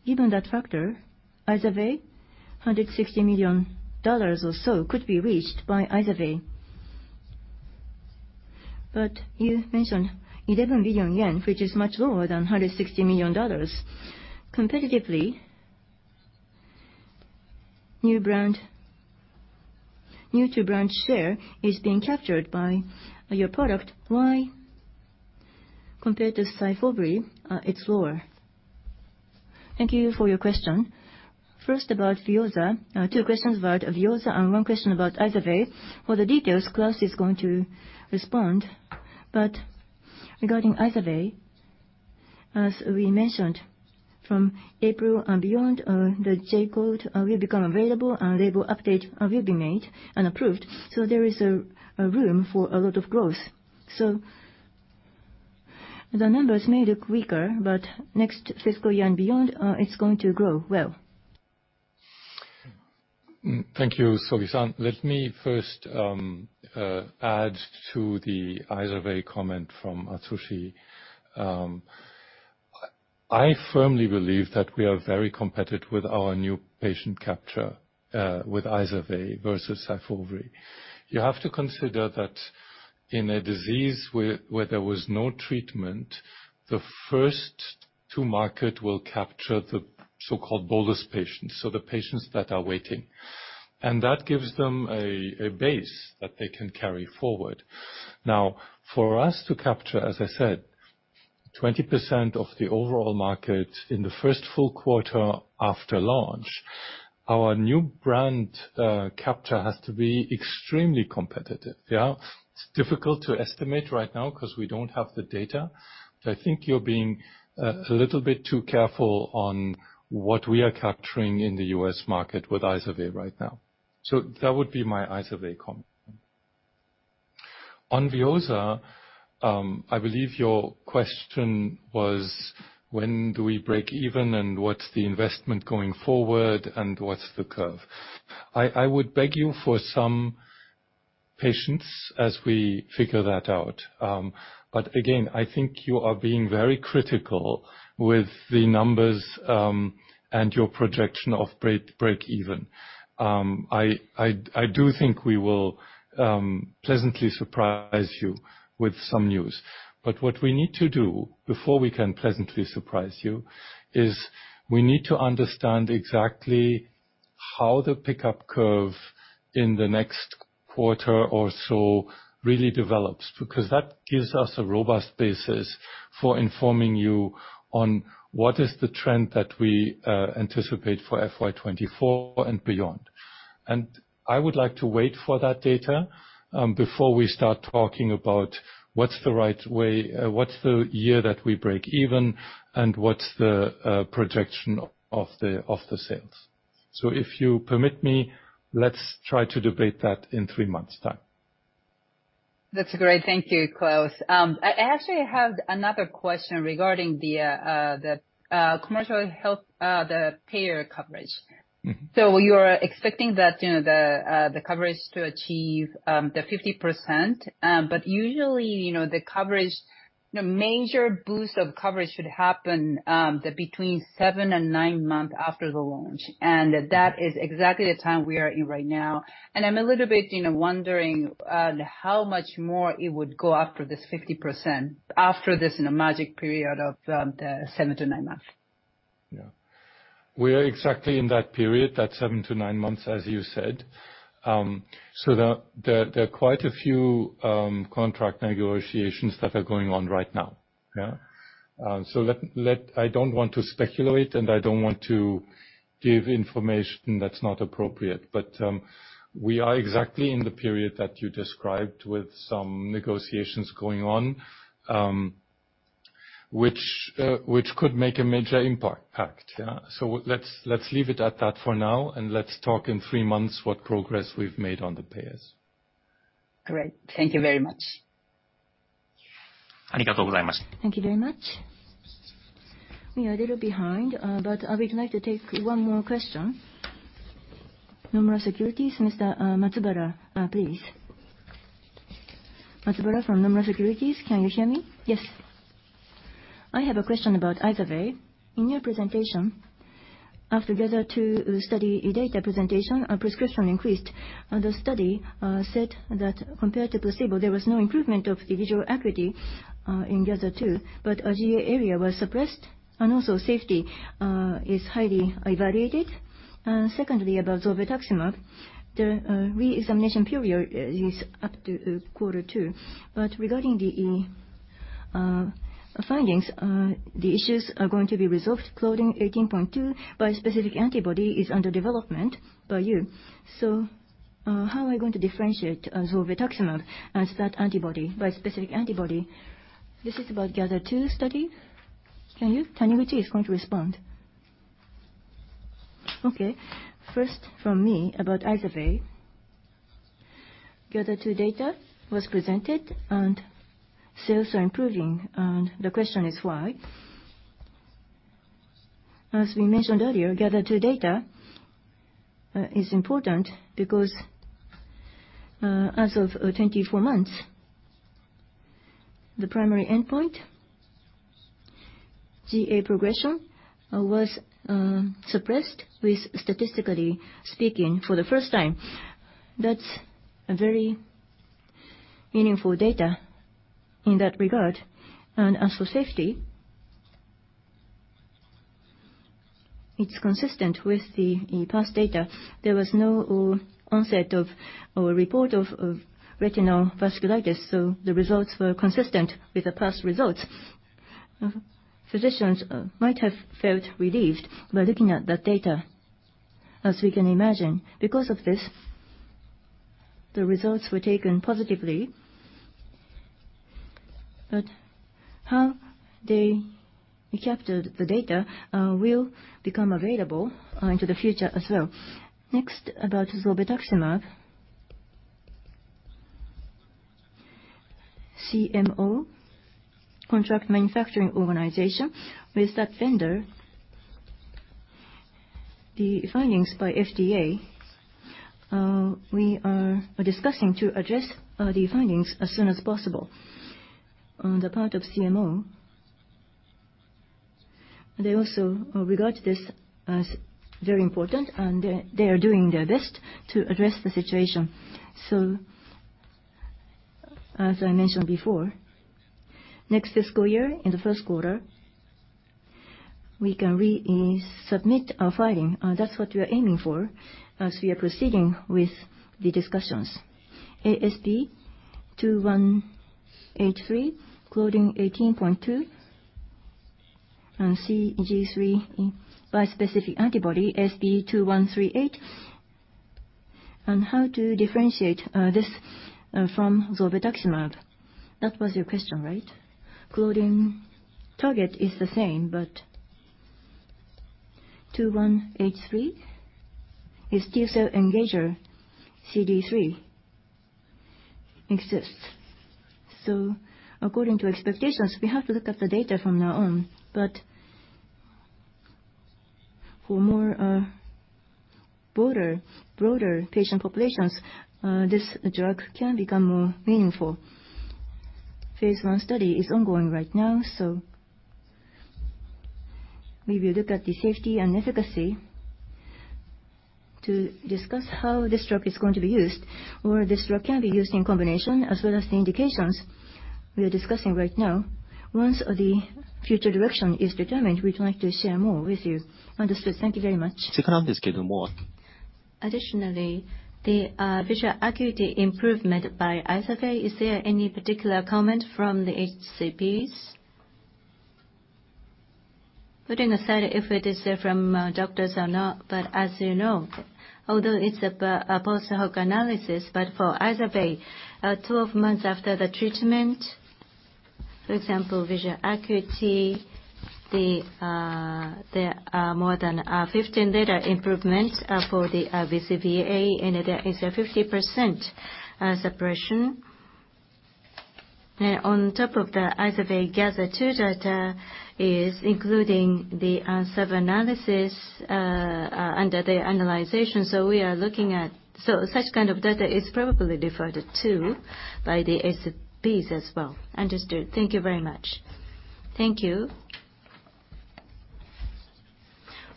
Speaker 3: Given that factor, IZERVAY, $160 million or so could be reached by IZERVAY. But you mentioned 11 billion yen, which is much lower than $160 million. Competitively, new-to-brand share is being captured by your product. Why, compared to SYFOVRE, it's lower?
Speaker 1: Thank you for your question. First, about VEOZAH, two questions about VEOZAH and one question about IZERVAY. For the details, Claus is going to respond. But regarding IZERVAY, as we mentioned, from April and beyond, the J-code will become available and label update will be made and approved. There is a room for a lot of growth. The numbers may look weaker, but next fiscal year and beyond, it's going to grow well.
Speaker 4: Thank you, Sogi-san. Let me first add to the IZERVAY comment from Atsushi. I firmly believe that we are very competitive with our new patient capture with IZERVAY versus SYFOVRE. You have to consider that in a disease where there was no treatment, the first to market will capture the so-called bolus patients, so the patients that are waiting. That gives them a base that they can carry forward. Now, for us to capture, as I said, 20% of the overall market in the first full quarter after launch, our new brand capture has to be extremely competitive, yeah? It's difficult to estimate right now 'cause we don't have the data, but I think you're being a little bit too careful on what we are capturing in the US market with IZERVAY right now. So that would be my IZERVAY comment. On VEOZAH, I believe your question was, when do we break even, and what's the investment going forward, and what's the curve? I would beg you for some patience as we figure that out. But again, I think you are being very critical with the numbers, and your projection of break even. I do think we will pleasantly surprise you with some news. But what we need to do before we can pleasantly surprise you is we need to understand exactly how the pickup curve in the next quarter or so really develops, because that gives us a robust basis for informing you on what is the trend that we anticipate for FY 2024 and beyond. And I would like to wait for that data before we start talking about what's the right way, what's the year that we break even, and what's the projection of the sales. So if you permit me, let's try to debate that in three months' time.
Speaker 3: That's great. Thank you, Claus. I actually have another question regarding the commercial health, the payer coverage. So you're expecting that, you know, the coverage to achieve the 50%. But usually, you know, the coverage, the major boost of coverage should happen between seven and nine months after the launch. And that is exactly the time we are in right now. And I'm a little bit, you know, wondering how much more it would go after this 50%, after this, in a magic period of the seven to nine months.
Speaker 4: Yeah. We are exactly in that period, that 7-9 months, as you said. So there are quite a few contract negotiations that are going on right now, yeah? I don't want to speculate, and I don't want to give information that's not appropriate. But, we are exactly in the period that you described with some negotiations going on. Which could make a major impact, yeah. So let's leave it at that for now, and let's talk in 3 months what progress we've made on the PS.
Speaker 3: Great. Thank you very much.
Speaker 2: Thank you very much. Thank you very much. We are a little behind, but I would like to take one more question. Nomura Securities, Mr. Matsubara, please. Matsubara from Nomura Securities, can you hear me? Yes. I have a question about IZERVAY. In your presentation, after GATHER2 study data presentation, our prescription increased, and the study said that compared to placebo, there was no improvement of visual acuity in GATHER2, but our GA area was suppressed, and also safety is highly evaluated. Secondly, about zolbetuximab, the re-examination period is up to Q2. But regarding the findings, the issues are going to be resolved, including 18.2, bispecific antibody is under development by you. So, how are we going to differentiate zolbetuximab as that antibody, bispecific antibody? This is about GATHER2 study. Can you, Taniguchi is going to respond. Okay, first from me about IZERVAY. GATHER2 data was presented, and sales are improving, and the question is why? As we mentioned earlier, GATHER2 data is important because, as of 24 months, the primary endpoint, GA progression, was suppressed with statistically speaking for the first time. That's a very meaningful data in that regard. And as for safety, it's consistent with the past data. There was no onset of, or report of, retinal vasculitis, so the results were consistent with the past results. Physicians might have felt relieved by looking at that data, as we can imagine. Because of this, the results were taken positively. But how they captured the data will become available into the future as well. Next, about zolbetuximab. CMO, contract manufacturing organization, with that vendor, the findings by FDA, we are discussing to address the findings as soon as possible. On the part of CMO, they also regard this as very important, and they are doing their best to address the situation. So as I mentioned before, next fiscal year, in the first quarter, we can resubmit our filing. That's what we are aiming for as we are proceeding with the discussions. ASP2138, claudin 18.2, and CD3 bispecific antibody, ASP2138. And how to differentiate this from zolbetuximab? That was your question, right? Claudin target is the same, but 2138 is T-cell engager, CD3 exists. So according to expectations, we have to look at the data from now on. But for more broader patient populations, this drug can become more meaningful. Phase one study is ongoing right now, so we will look at the safety and efficacy to discuss how this drug is going to be used, or this drug can be used in combination, as well as the indications we are discussing right now. Once the future direction is determined, we'd like to share more with you. Understood. Thank you very much. Additionally, the visual acuity improvement by IZERVAY, is there any particular comment from the HCPs?
Speaker 1: Putting aside if it is from doctors or not, but as you know, although it's a post-hoc analysis, but for IZERVAY, 12 months after the treatment, for example, visual acuity, there are more than 15 data improvements for the BCVA, and there is a 50% suppression. On top of the IZERVAY GATHER2 data is including the sub-analysis under the analysis, so we are looking at- So such kind of data is probably referred to by the HCPs as well.
Speaker 2: Understood. Thank you very much. Thank you.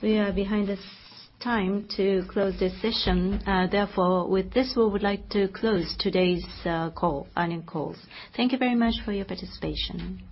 Speaker 2: We are behind the time to close this session. Therefore, with this, we would like to close today's earnings call. Thank you very much for your participation.